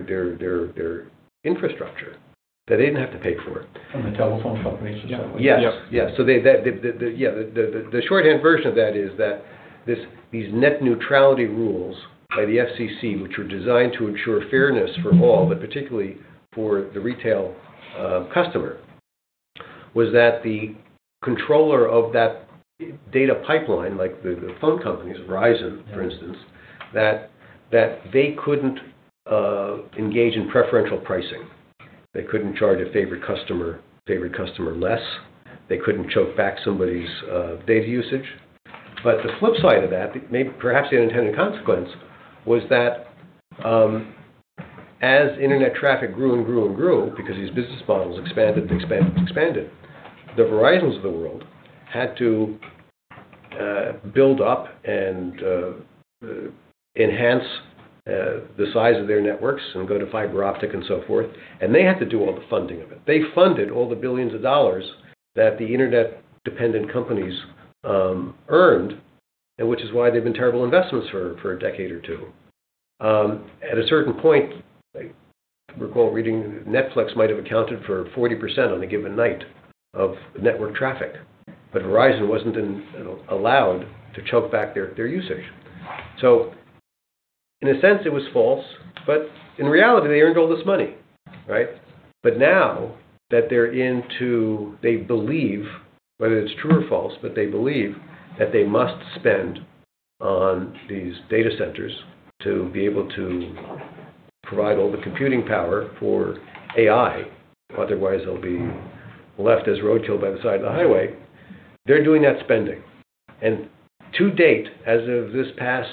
infrastructure that they didn't have to pay for. The telephone companies in some way. Yes. Yeah. Yeah. The shorthand version of that is that these net neutrality rules by the FCC, which were designed to ensure fairness for all, but particularly for the retail customer, was that the controller of that data pipeline, like the phone companies, Verizon, for instance. Yeah. That they couldn't engage in preferential pricing. They couldn't charge a favorite customer less. They couldn't choke back somebody's data usage. The flip side of that, perhaps the unintended consequence, was that as internet traffic grew and grew and grew because these business models expanded, they expanded, the Verizons of the world had to build up and enhance the size of their networks and go to fiber optic and so forth, and they had to do all the funding of it. They funded all the billions of dollars that the internet-dependent companies earned, which is why they've been terrible investments for a decade or two. At a certain point, I recall reading Netflix might have accounted for 40% on a given night of network traffic, but Verizon wasn't allowed to choke back their usage. In a sense, it was false, in reality, they earned all this money, right? Now that they're into, they believe, whether it's true or false, they believe that they must spend on these data centers to be able to provide all the computing power for AI, otherwise they'll be left as roadkill by the side of the highway. They're doing that spending. To date, as of this past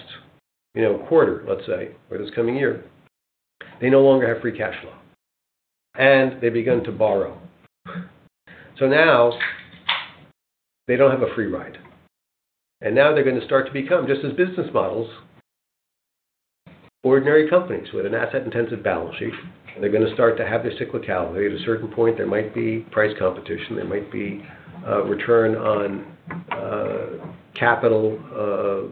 quarter, let's say, or this coming year, they no longer have free cash flow, and they've begun to borrow. Now they don't have a free ride. Now they're going to start to become, just as business models, ordinary companies with an asset-intensive balance sheet. They're going to start to have their cyclicality. At a certain point, there might be price competition, there might be a return on capital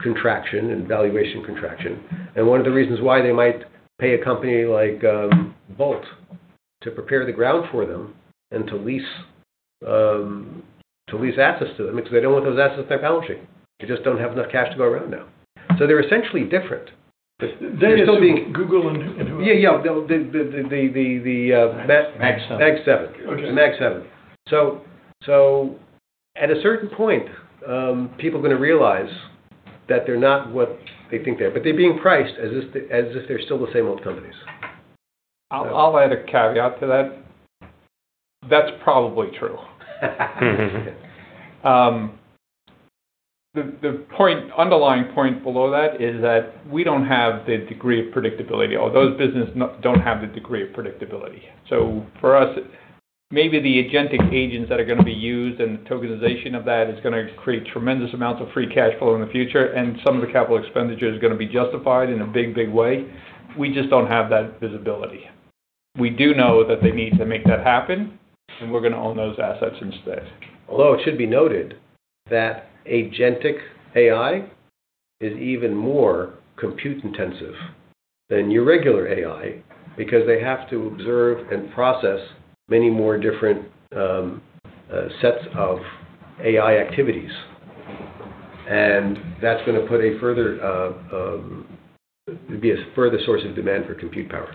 contraction and valuation contraction. One of the reasons why they might pay a company like Bolt to prepare the ground for them and to lease assets to them, it's because they don't want those assets on their balance sheet. They just don't have enough cash to go around now. They're essentially different. They're still being. Google and who? Yeah. Mag seven. Mag seven. Okay. Mag seven. At a certain point, people are going to realize that they're not what they think they are, but they're being priced as if they're still the same old companies. I'll add a caveat to that. That's probably true. The underlying point below that is that we don't have the degree of predictability, or those businesses don't have the degree of predictability. For us, maybe the agentic agents that are going to be used and the tokenization of that is going to create tremendous amounts of free cash flow in the future, and some of the capital expenditure is going to be justified in a big way. We just don't have that visibility. We do know that they need to make that happen, and we're going to own those assets instead. Although it should be noted that agentic AI is even more compute-intensive than your regular AI because they have to observe and process many more different sets of AI activities. That's going to be a further source of demand for compute power.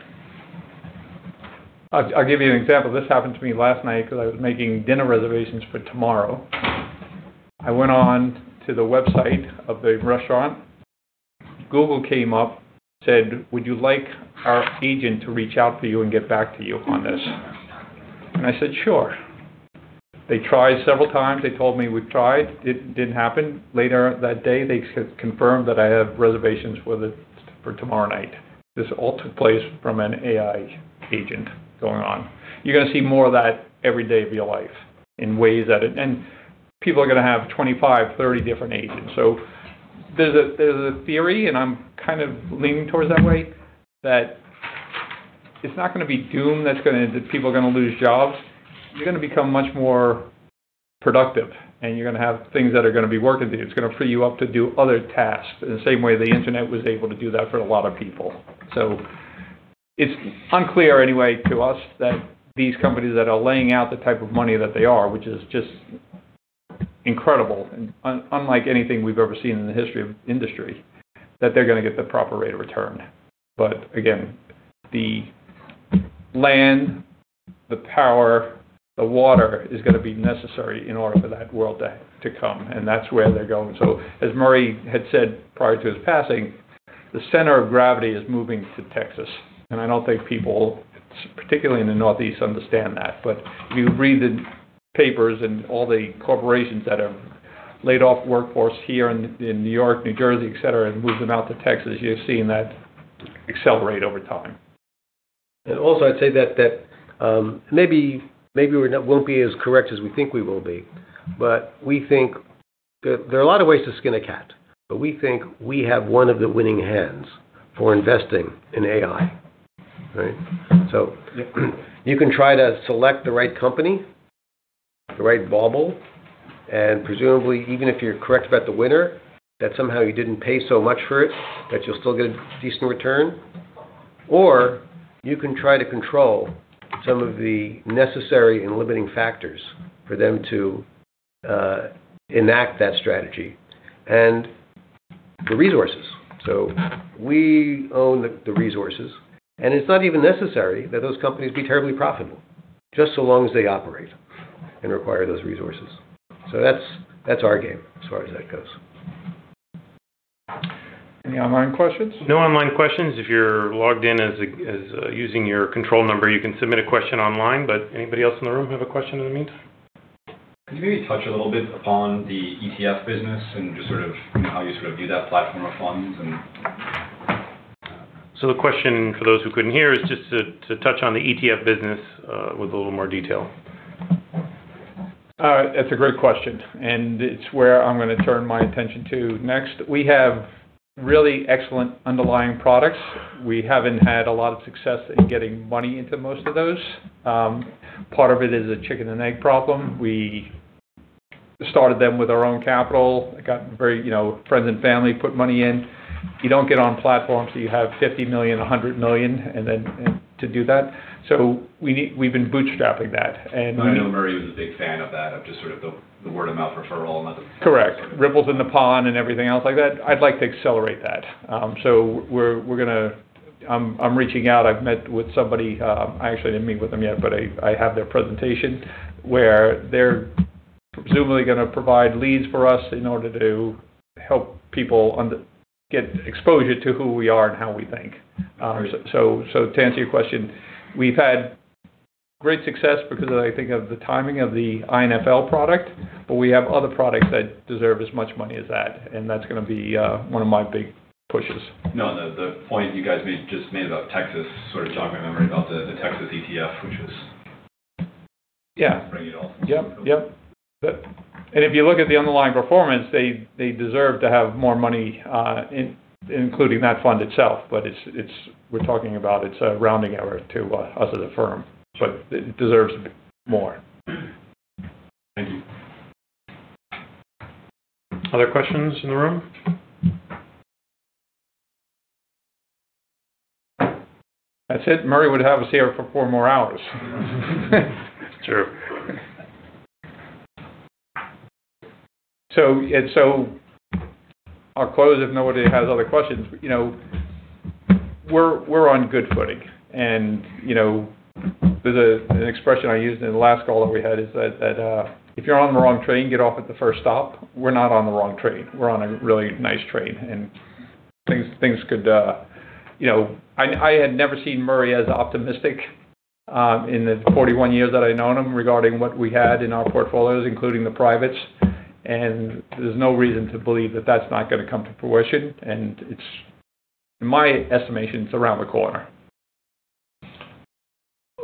I'll give you an example. This happened to me last night because I was making dinner reservations for tomorrow. I went on to the website of the restaurant. Google came up, said, "Would you like our agent to reach out to you and get back to you on this?" I said, "Sure." They tried several times. They told me, "We've tried. It didn't happen." Later that day, they confirmed that I have reservations for tomorrow night. This all took place from an AI agent going on. You're going to see more of that every day of your life in ways that people are going to have 25, 30 different agents. There's a theory, and I'm kind of leaning towards that way, that it's not going to be doom that people are going to lose jobs. You're going to become much more productive, and you're going to have things that are going to be working for you. It's going to free you up to do other tasks in the same way the internet was able to do that for a lot of people. It's unclear anyway to us that these companies that are laying out the type of money that they are, which is just incredible, unlike anything we've ever seen in the history of industry, that they're going to get the proper rate of return. Again, the land, the power, the water is going to be necessary in order for that world to come, and that's where they're going. As Murray had said prior to his passing, the center of gravity is moving to Texas. I don't think people, particularly in the Northeast, understand that. If you read the papers and all the corporations that have laid off workforce here in New York, New Jersey, et cetera, and moved them out to Texas, you've seen that accelerate over time. Also, I'd say that maybe we won't be as correct as we think we will be, we think there are a lot of ways to skin a cat, we think we have one of the winning hands for investing in AI, right? You can try to select the right company, the right bauble, and presumably, even if you're correct about the winner, that somehow you didn't pay so much for it, that you'll still get a decent return. You can try to control some of the necessary and limiting factors for them to enact that strategy and the resources. We own the resources, and it's not even necessary that those companies be terribly profitable, just so long as they operate and require those resources. That's our game as far as that goes. Any online questions? No online questions. If you're logged in using your control number, you can submit a question online, anybody else in the room have a question in the meantime? Could you maybe touch a little bit upon the ETF business and just sort of how you view that platform of funds and. The question for those who couldn't hear is just to touch on the ETF business with a little more detail. That's a great question, and it's where I'm going to turn my attention to next. We have really excellent underlying products. We haven't had a lot of success in getting money into most of those. Part of it is a chicken and egg problem. We started them with our own capital. Friends and family put money in. You don't get on platforms where you have $50 million, $100 million, and then to do that. We've been bootstrapping that. I know Murray was a big fan of that, of just sort of the word-of-mouth referral. Correct. Ripples in the pond and everything else like that. I'd like to accelerate that. I'm reaching out. I've met with somebody. I actually didn't meet with them yet, but I have their presentation where they're presumably going to provide leads for us in order to help people get exposure to who we are and how we think. I see. To answer your question, we've had great success because, I think, of the timing of the INFL product, but we have other products that deserve as much money as that, and that's going to be one of my big pushes. No, the point you guys just made about Texas sort of jogged my memory about the Texas ETF, which is- Yeah. Bringing it all. If you look at the underlying performance, they deserve to have more money, including that fund itself. We're talking about it's a rounding error to us as a firm. It deserves more. Thank you. Other questions in the room? That's it. Murray would have us here for four more hours. True. I'll close if nobody has other questions. We're on good footing, and there's an expression I used in the last call that we had. Is that if you're on the wrong train, get off at the first stop. We're not on the wrong train. We're on a really nice train, and things could I had never seen Murray as optimistic in the 41 years that I've known him regarding what we had in our portfolios, including the privates. There's no reason to believe that that's not going to come to fruition. In my estimation, it's around the corner.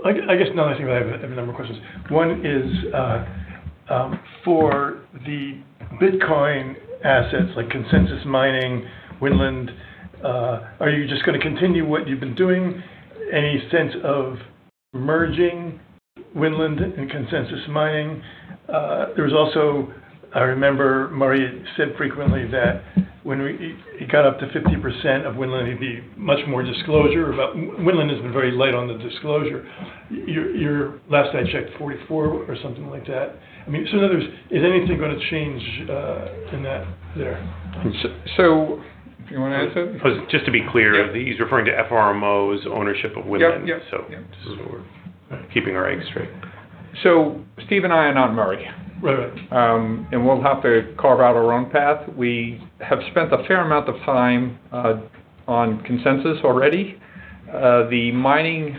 I guess now I think I have a number of questions. One is for the Bitcoin assets like Consensus Mining, Winland. Are you just going to continue what you've been doing? Any sense of merging Winland and Consensus Mining? There was also, I remember Murray said frequently that when it got up to 50% of Winland, he'd be much more disclosure. Winland has been very light on the disclosure. You're, last I checked, 44% or something like that. In other words, is anything going to change in that there? You want to answer it? Just to be clear, he's referring to FRMO's ownership of Winland. Yep. just so we're keeping our eggs straight. Steve and I are not Murray. Right. we'll have to carve out our own path. We have spent a fair amount of time on Consensus Mining already. The mining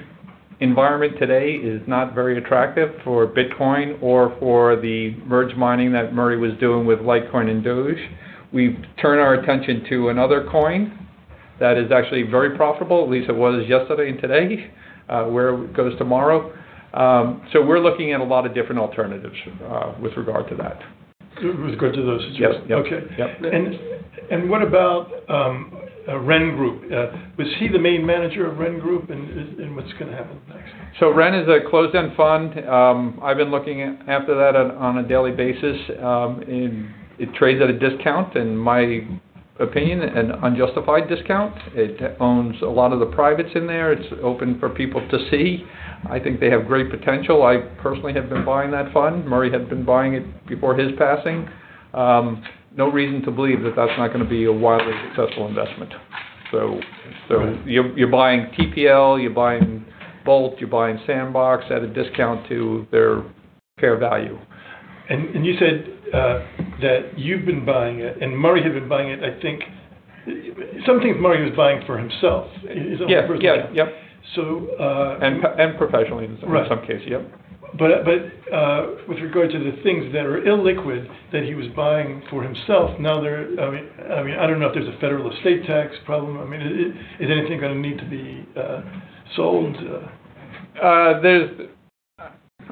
environment today is not very attractive for Bitcoin or for the merge mining that Murray was doing with Litecoin and Doge. We've turned our attention to another coin that is actually very profitable, at least it was yesterday and today. Where it goes tomorrow. we're looking at a lot of different alternatives with regard to that. With regard to those situations? Yes. Okay. Yep. What about Wren Group? Was he the main manager of Wren Group? What's going to happen next? Wren is a closed-end fund. I've been looking after that on a daily basis. It trades at a discount, in my opinion, an unjustified discount. It owns a lot of the privates in there. It's open for people to see. I think they have great potential. I personally have been buying that fund. Murray had been buying it before his passing. No reason to believe that that's not going to be a wildly successful investment. You're buying TPL, you're buying Bolt, you're buying Sandbox at a discount to their fair value. You said that you've been buying it, and Murray had been buying it, I think Some things Murray was buying for himself. Yeah. So- Professionally in some cases. Yep. With regard to the things that are illiquid that he was buying for himself, now I don't know if there's a federal estate tax problem. Is anything going to need to be sold? I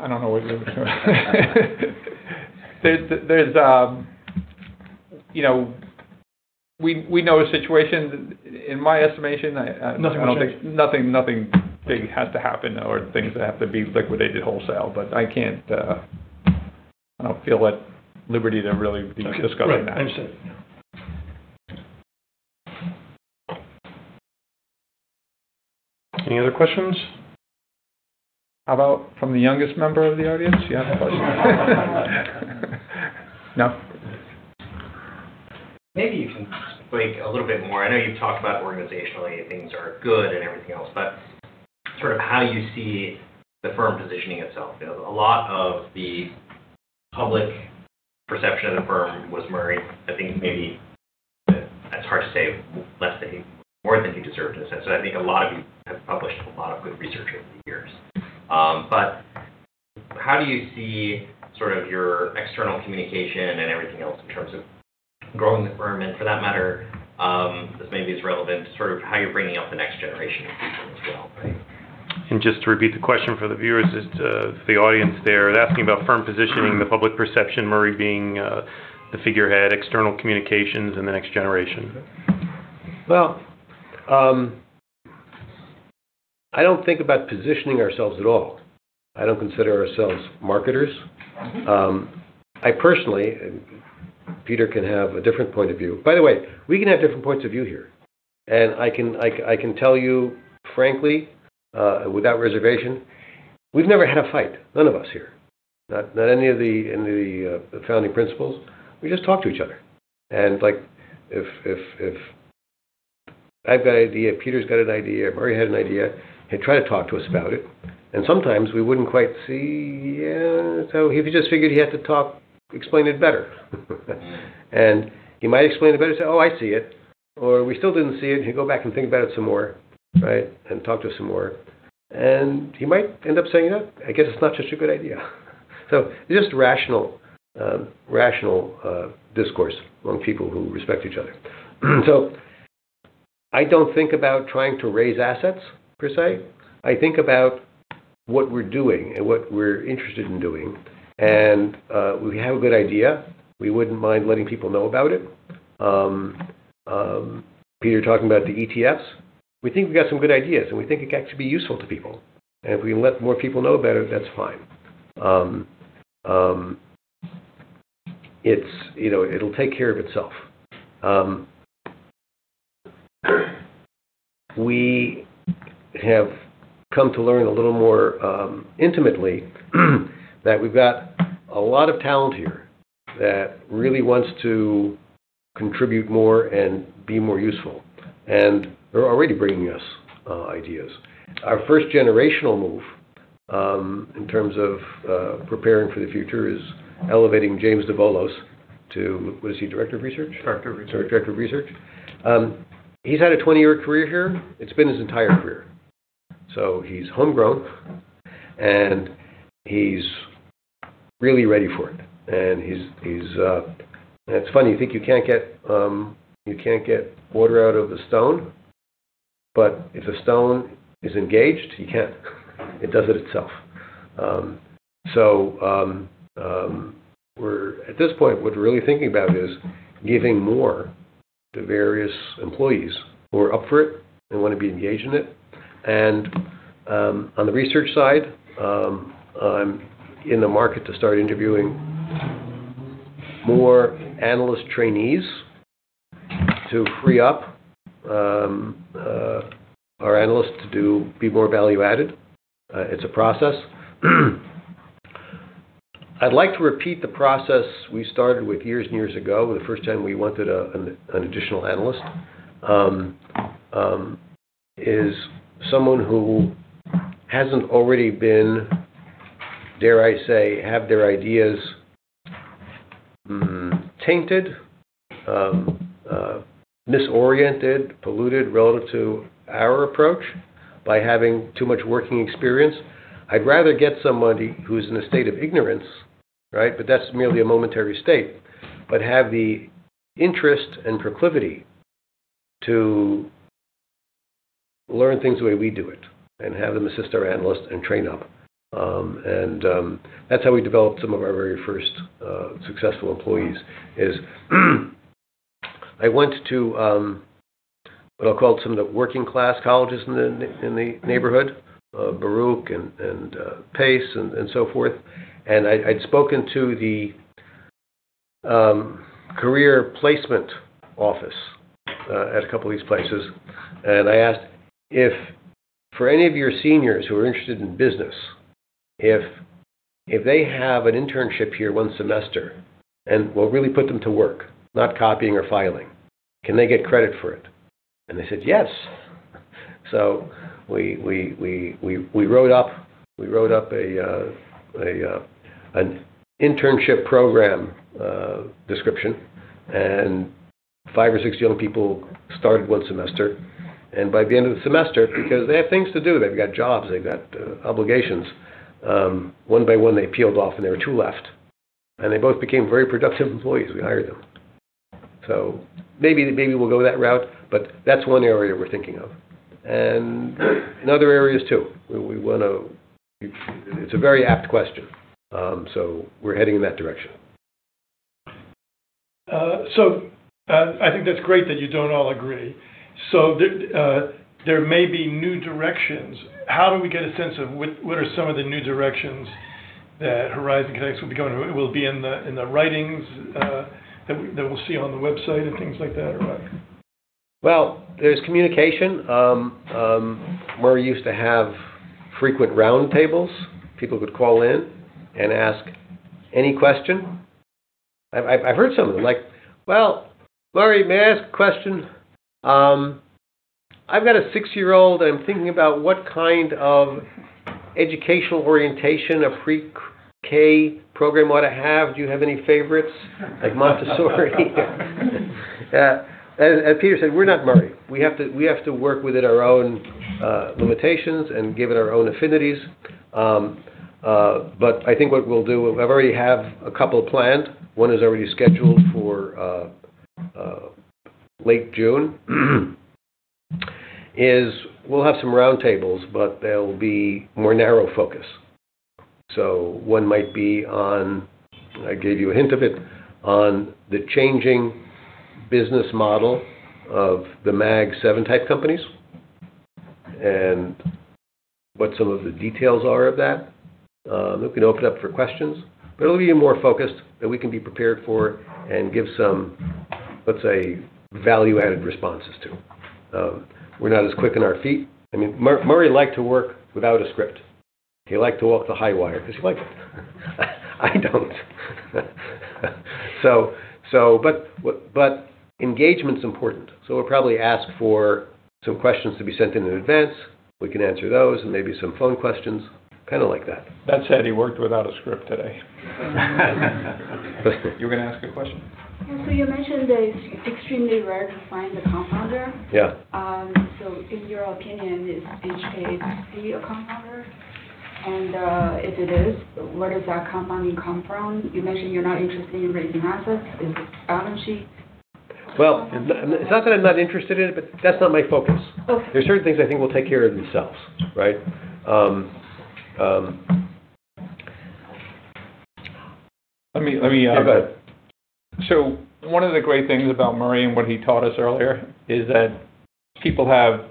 don't know what you're referring to. We know the situation. In my estimation. Nothing to check? Nothing big has to happen or things that have to be liquidated wholesale. I don't feel at liberty to really discuss that. Right. Understood. Any other questions? How about from the youngest member of the audience? You have a question? No? Maybe you can speak a little bit more. I know you've talked about organizationally things are good and everything else, sort of how you see the firm positioning itself. A lot of the public perception of the firm was Murray. I think maybe, it's hard to say more than he deserved in a sense. I think a lot of you have published a lot of good research over the years. How do you see sort of your external communication and everything else in terms of growing the firm and for that matter, this maybe is relevant to sort of how you're bringing up the next generation of people as well. Just to repeat the question for the viewers, the audience there. They're asking about firm positioning, the public perception, Murray being the figurehead, external communications, and the next generation. I don't think about positioning ourselves at all. I don't consider ourselves marketers. I personally, Peter can have a different point of view. By the way, we can have different points of view here. I can tell you frankly, without reservation, we've never had a fight, none of us here. Not any of the founding principles. We just talk to each other. If I've got an idea, Peter's got an idea, Murray had an idea, he'd try to talk to us about it, and sometimes we wouldn't quite see. He just figured he had to explain it better. Yeah. He might explain it better and say, "Oh, I see it." We still didn't see it, and he'd go back and think about it some more, right? Talk to us some more. He might end up saying, "I guess it's not such a good idea." Just rational discourse among people who respect each other. I don't think about trying to raise assets per se. I think about what we're doing and what we're interested in doing. We have a good idea. We wouldn't mind letting people know about it. Peter talking about the ETFs. We think we've got some good ideas, and we think it can actually be useful to people. If we can let more people know about it, that's fine. It'll take care of itself. We have come to learn a little more intimately that we've got a lot of talent here that really wants to contribute more and be more useful. They're already bringing us ideas. Our first generational move, in terms of preparing for the future is elevating James Davolos to, what is he, Director of Research? Director of research. Director of research. He's had a 20-year career here. It's been his entire career. He's homegrown, and he's really ready for it. It's funny, you think you can't get water out of a stone, but if a stone is engaged, it does it itself. At this point, what we're really thinking about is giving more to various employees who are up for it and want to be engaged in it. On the research side, in the market to start interviewing more analyst trainees to free up our analysts to be more value added. It's a process. I'd like to repeat the process we started with years and years ago, the first time we wanted an additional analyst, is someone who hasn't already been, dare I say, have their ideas tainted, misoriented, polluted relative to our approach by having too much working experience. I'd rather get somebody who's in a state of ignorance, right? That's merely a momentary state, but have the interest and proclivity to learn things the way we do it. Have them assist our analysts and train up. That's how we developed some of our very first successful employees is I went to what I'll call some of the working-class colleges in the neighborhood, Baruch and Pace and so forth. I'd spoken to the career placement office at a couple of these places. I asked if for any of your seniors who are interested in business, if they have an internship here one semester and we'll really put them to work, not copying or filing, can they get credit for it? They said yes. We wrote up an internship program description, and five or six young people started one semester. By the end of the semester, because they have things to do, they've got jobs, they've got obligations. One by one, they peeled off, and there were two left. They both became very productive employees. We hired them. Maybe we'll go that route, but that's one area we're thinking of. In other areas, too. It's a very apt question. We're heading in that direction. I think that's great that you don't all agree. There may be new directions. How do we get a sense of what are some of the new directions that Horizon Kinetics will be going? Will it be in the writings that we'll see on the website and things like that, or what? Well, there's communication. Murray used to have frequent roundtables. People could call in and ask any question. I've heard some of them like, "Well, Murray, may I ask a question? I've got a six-year-old. I'm thinking about what kind of educational orientation a pre-K program ought to have. Do you have any favorites?" Like Montessori. As Peter said, we're not Murray. We have to work within our own limitations and give it our own affinities. I think what we'll do, I already have a couple planned. One is already scheduled for late June, is we'll have some roundtables, but they'll be more narrow focus. One might be on, I gave you a hint of it, on the changing business model of the Mag Seven type companies and what some of the details are of that. We can open it up for questions, it'll be more focused that we can be prepared for and give some, let's say, value-added responses too. We're not as quick on our feet. Murray liked to work without a script. He liked to walk the high wire because he liked it. I don't. Engagement's important, we'll probably ask for some questions to be sent in in advance. We can answer those and maybe some phone questions, kind of like that. That said, he worked without a script today. You were going to ask a question? Yeah. You mentioned that it's extremely rare to find a compounder. Yeah. In your opinion, is HKHC a compounder? If it is, where does that compounding come from? You mentioned you're not interested in raising assets. Is it the balance sheet? Well, it's not that I'm not interested in it, but that's not my focus. Okay. There are certain things I think will take care of themselves. Right? One of the great things about Murray and what he taught us earlier is that people have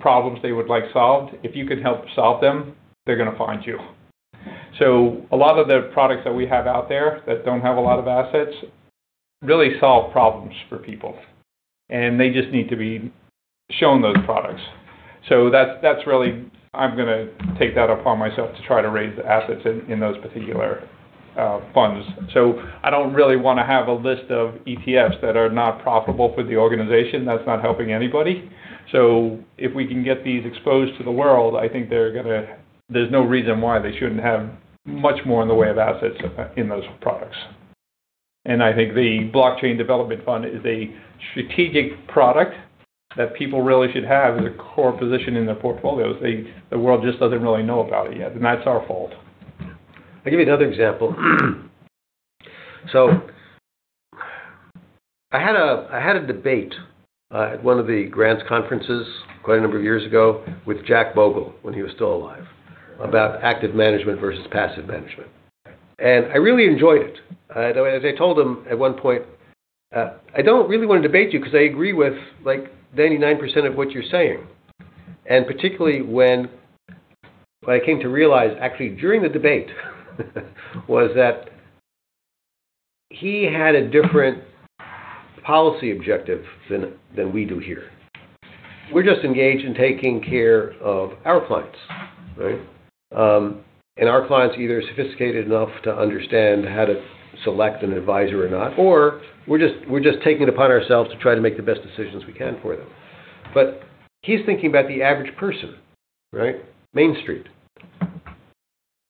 problems they would like solved. If you can help solve them, they're going to find you. A lot of the products that we have out there that don't have a lot of assets really solve problems for people, and they just need to be shown those products. That's really, I'm going to take that upon myself to try to raise the assets in those particular funds. I don't really want to have a list of ETFs that are not profitable for the organization. That's not helping anybody. If we can get these exposed to the world, I think there's no reason why they shouldn't have much more in the way of assets in those products. I think the Blockchain Development Fund is a strategic product that people really should have as a core position in their portfolios. The world just doesn't really know about it yet, and that's our fault. I'll give you another example. I had a debate at one of the Grant's conferences quite a number of years ago with Jack Bogle when he was still alive about active management versus passive management, and I really enjoyed it. As I told him at one point, "I don't really want to debate you because I agree with 99% of what you're saying." Particularly when I came to realize, actually, during the debate, was that he had a different policy objective than we do here. We're just engaged in taking care of our clients, right? Our clients either are sophisticated enough to understand how to select an advisor or not, or we're just taking it upon ourselves to try to make the best decisions we can for them. He's thinking about the average person. Right? Main Street.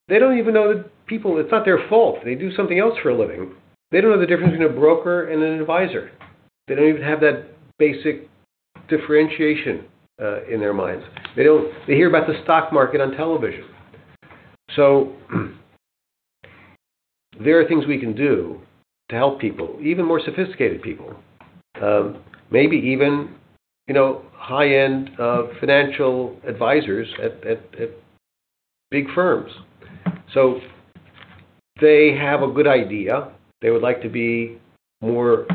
They don't even know the people. It's not their fault. They do something else for a living. They don't know the difference between a broker and an advisor. They don't even have that basic differentiation in their minds. They hear about the stock market on television. There are things we can do to help people, even more sophisticated people. Maybe even high-end financial advisors at big firms. They have a good idea. They would like to be more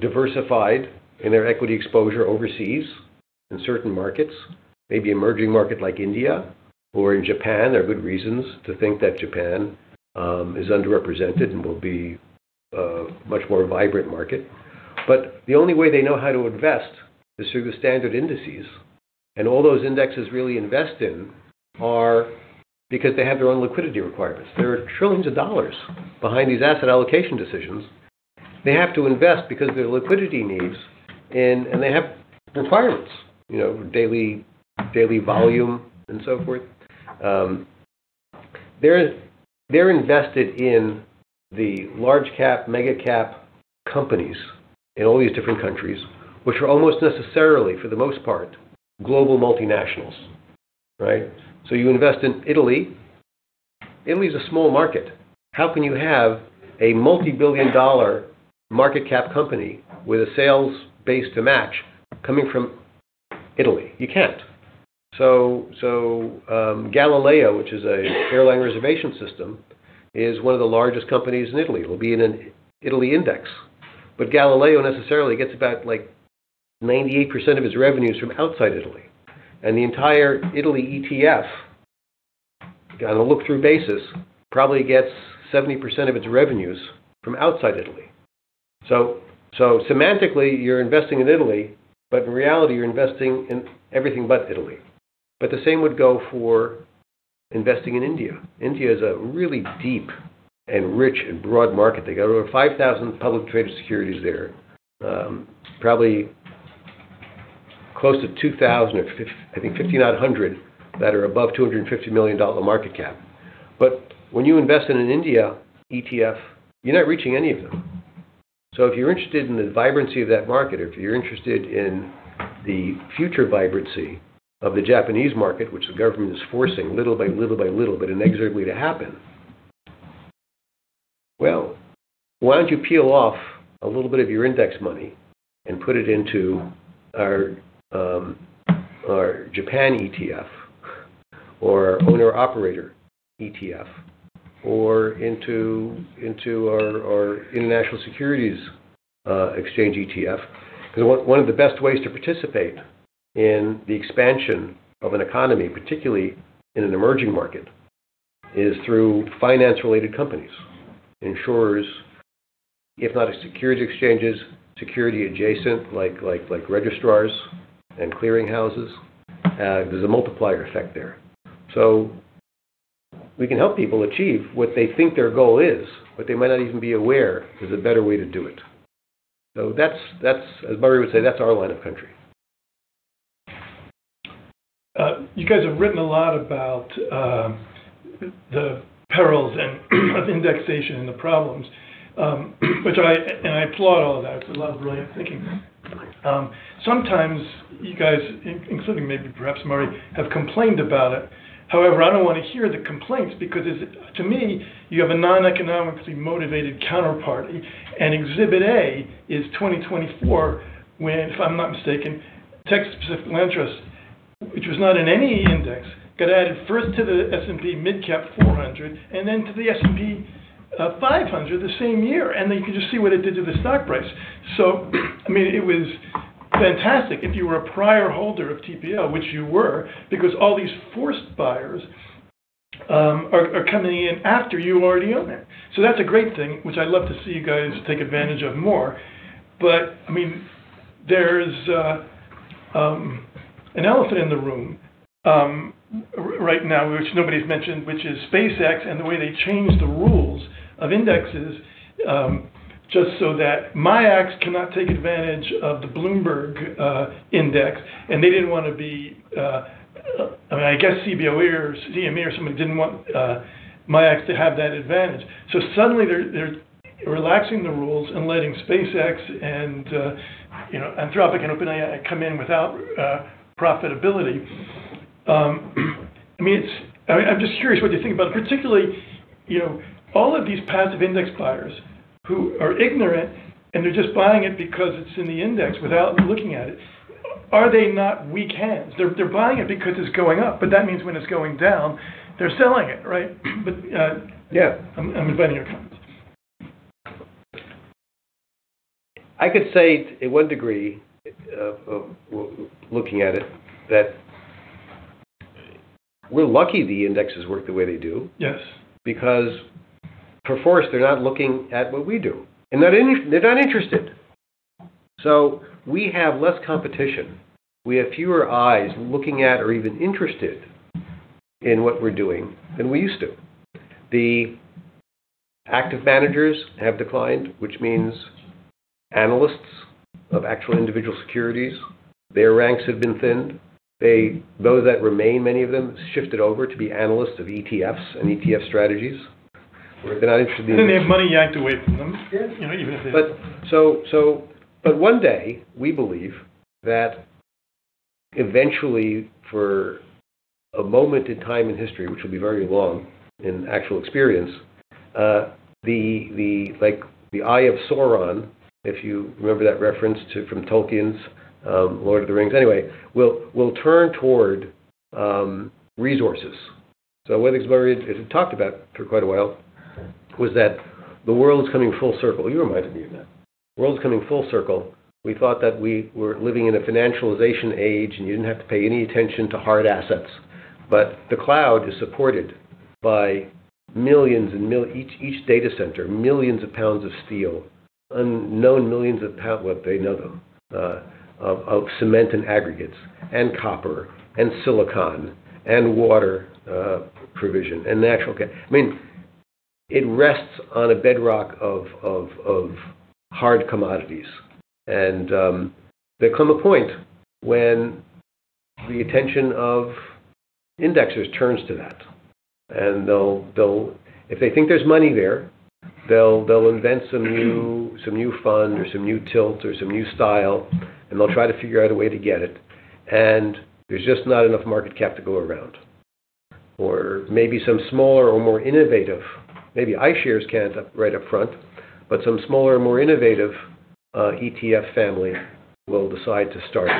diversified in their equity exposure overseas in certain markets, maybe emerging market like India or in Japan. There are good reasons to think that Japan is underrepresented and will be a much more vibrant market. The only way they know how to invest is through the standard indices. All those indexes really invest in are because they have their own liquidity requirements. There are trillions of dollars behind these asset allocation decisions. They have to invest because of their liquidity needs, and they have requirements. Daily volume and so forth. They're invested in the large cap, mega cap companies in all these different countries, which are almost necessarily, for the most part, global multinationals. Right? You invest in Italy. Italy's a small market. How can you have a multi-billion dollar market cap company with a sales base to match coming from Italy? You can't. Galileo, which is an airline reservation system, is one of the largest companies in Italy. It'll be in an Italy index. Galileo necessarily gets about 98% of its revenues from outside Italy. The entire Italy ETF, on a look-through basis, probably gets 70% of its revenues from outside Italy. Semantically, you're investing in Italy, but in reality, you're investing in everything but Italy. The same would go for investing in India. India is a really deep and rich and broad market. They got over 5,000 public traded securities there. Probably close to 2,000 or, I think 5,900 that are above $250 million market cap. When you invest in an India ETF, you're not reaching any of them. If you're interested in the vibrancy of that market, or if you're interested in the future vibrancy of the Japanese market, which the government is forcing little by little by little, but inexorably to happen. Why don't you peel off a little bit of your index money and put it into our Japan ETF or owner-operator ETF or into our international securities exchange ETF? One of the best ways to participate in the expansion of an economy, particularly in an emerging market, is through finance-related companies, insurers, if not securities exchanges, security adjacent, like registrars and clearing houses. There's a multiplier effect there. We can help people achieve what they think their goal is, but they might not even be aware there's a better way to do it. That's, as Murray would say, that's our line of country. You guys have written a lot about the perils of indexation and the problems. I applaud all that. It's a lot of brilliant thinking. Sometimes you guys, including maybe perhaps Murray, have complained about it. I don't want to hear the complaints because, to me, you have a non-economically motivated counterparty, and exhibit A is 2024, when, if I'm not mistaken, Texas Pacific Land Trust, which was not in any index, got added first to the S&P MidCap 400 and then to the S&P 500 the same year. You can just see what it did to the stock price. It was fantastic if you were a prior holder of TPL, which you were, because all these forced buyers are coming in after you already own it. That's a great thing, which I'd love to see you guys take advantage of more. There's an elephant in the room right now, which nobody's mentioned, which is SpaceX and the way they changed the rules of indexes just so that MIAX cannot take advantage of the Bloomberg index, and they didn't want to be—I guess CBOE or CME or somebody didn't want MIAX to have that advantage. Suddenly they're relaxing the rules and letting SpaceX and Anthropic and OpenAI come in without profitability. I'm just curious what you think about it, particularly all of these passive index buyers who are ignorant and they're just buying it because it's in the index without looking at it. Are they not weak hands? They're buying it because it's going up, but that means when it's going down, they're selling it. Right? Yeah, I'm inviting your comments. I could say to one degree, looking at it, that we're lucky the indexes work the way they do. Yes. Perforce, they're not looking at what we do, and they're not interested. We have less competition. We have fewer eyes looking at or even interested in what we're doing than we used to. The active managers have declined, which means analysts of actual individual securities, their ranks have been thinned. Those that remain, many of them shifted over to be analysts of ETFs and ETF strategies. They have money yanked away from them. Yeah. Even if they- One day, we believe that eventually, for a moment in time in history, which will be very long in actual experience, the Eye of Sauron, if you remember that reference from J.R.R. Tolkien's "The Lord of the Rings." Anyway, will turn toward resources. What Murray has talked about for quite a while was that the world's coming full circle. You reminded me of that. World's coming full circle. We thought that we were living in a financialization age, and you didn't have to pay any attention to hard assets. The cloud is supported by millions in each data center, millions of pounds of steel, unknown millions of pounds. Well, they know them, of cement and aggregates and copper and silicon and water provision and natural gas. It rests on a bedrock of hard commodities, there'll come a point when the attention of indexers turns to that, if they think there's money there, they'll invent some new fund or some new tilt or some new style, they'll try to figure out a way to get it. There's just not enough market cap to go around. Maybe some smaller or more innovative. Maybe iShares can't right up front, but some smaller, more innovative ETF family will decide to start.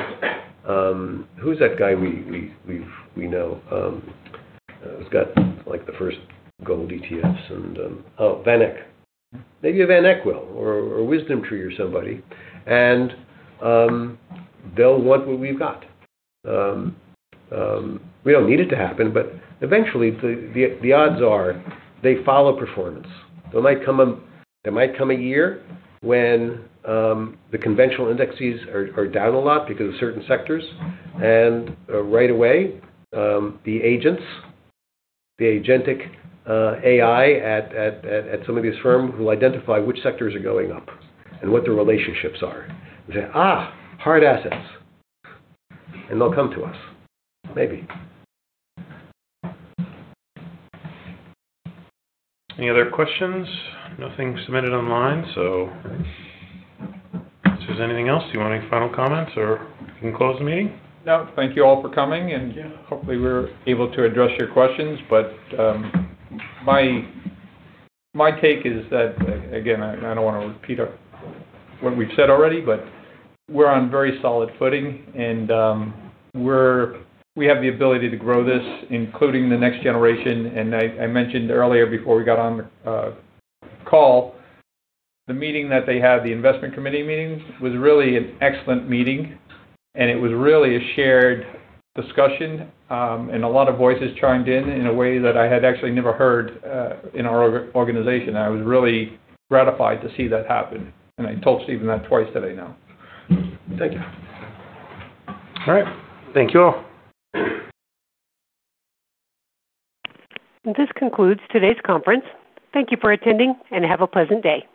Who's that guy we know who's got the first gold ETFs and Oh, VanEck. Maybe a VanEck will or WisdomTree or somebody, and they'll want what we've got. We don't need it to happen, eventually, the odds are they follow performance. There might come a year when the conventional indexes are down a lot because of certain sectors. Right away, the agents, the agentic AI at some of these firms will identify which sectors are going up and what the relationships are and say, "Hard assets." They'll come to us. Maybe. Any other questions? Nothing submitted online. If there's anything else, do you want any final comments, or we can close the meeting? No. Thank you all for coming, and hopefully we're able to address your questions. My take is that, again, I don't want to repeat what we've said already, but we're on very solid footing, and we have the ability to grow this, including the next generation. I mentioned earlier, before we got on the call, the meeting that they had, the investment committee meeting, was really an excellent meeting, and it was really a shared discussion. A lot of voices chimed in in a way that I had actually never heard in our organization. I was really gratified to see that happen, and I told Steven that twice today now. Thank you. All right. Thank you all. This concludes today's conference. Thank you for attending and have a pleasant day.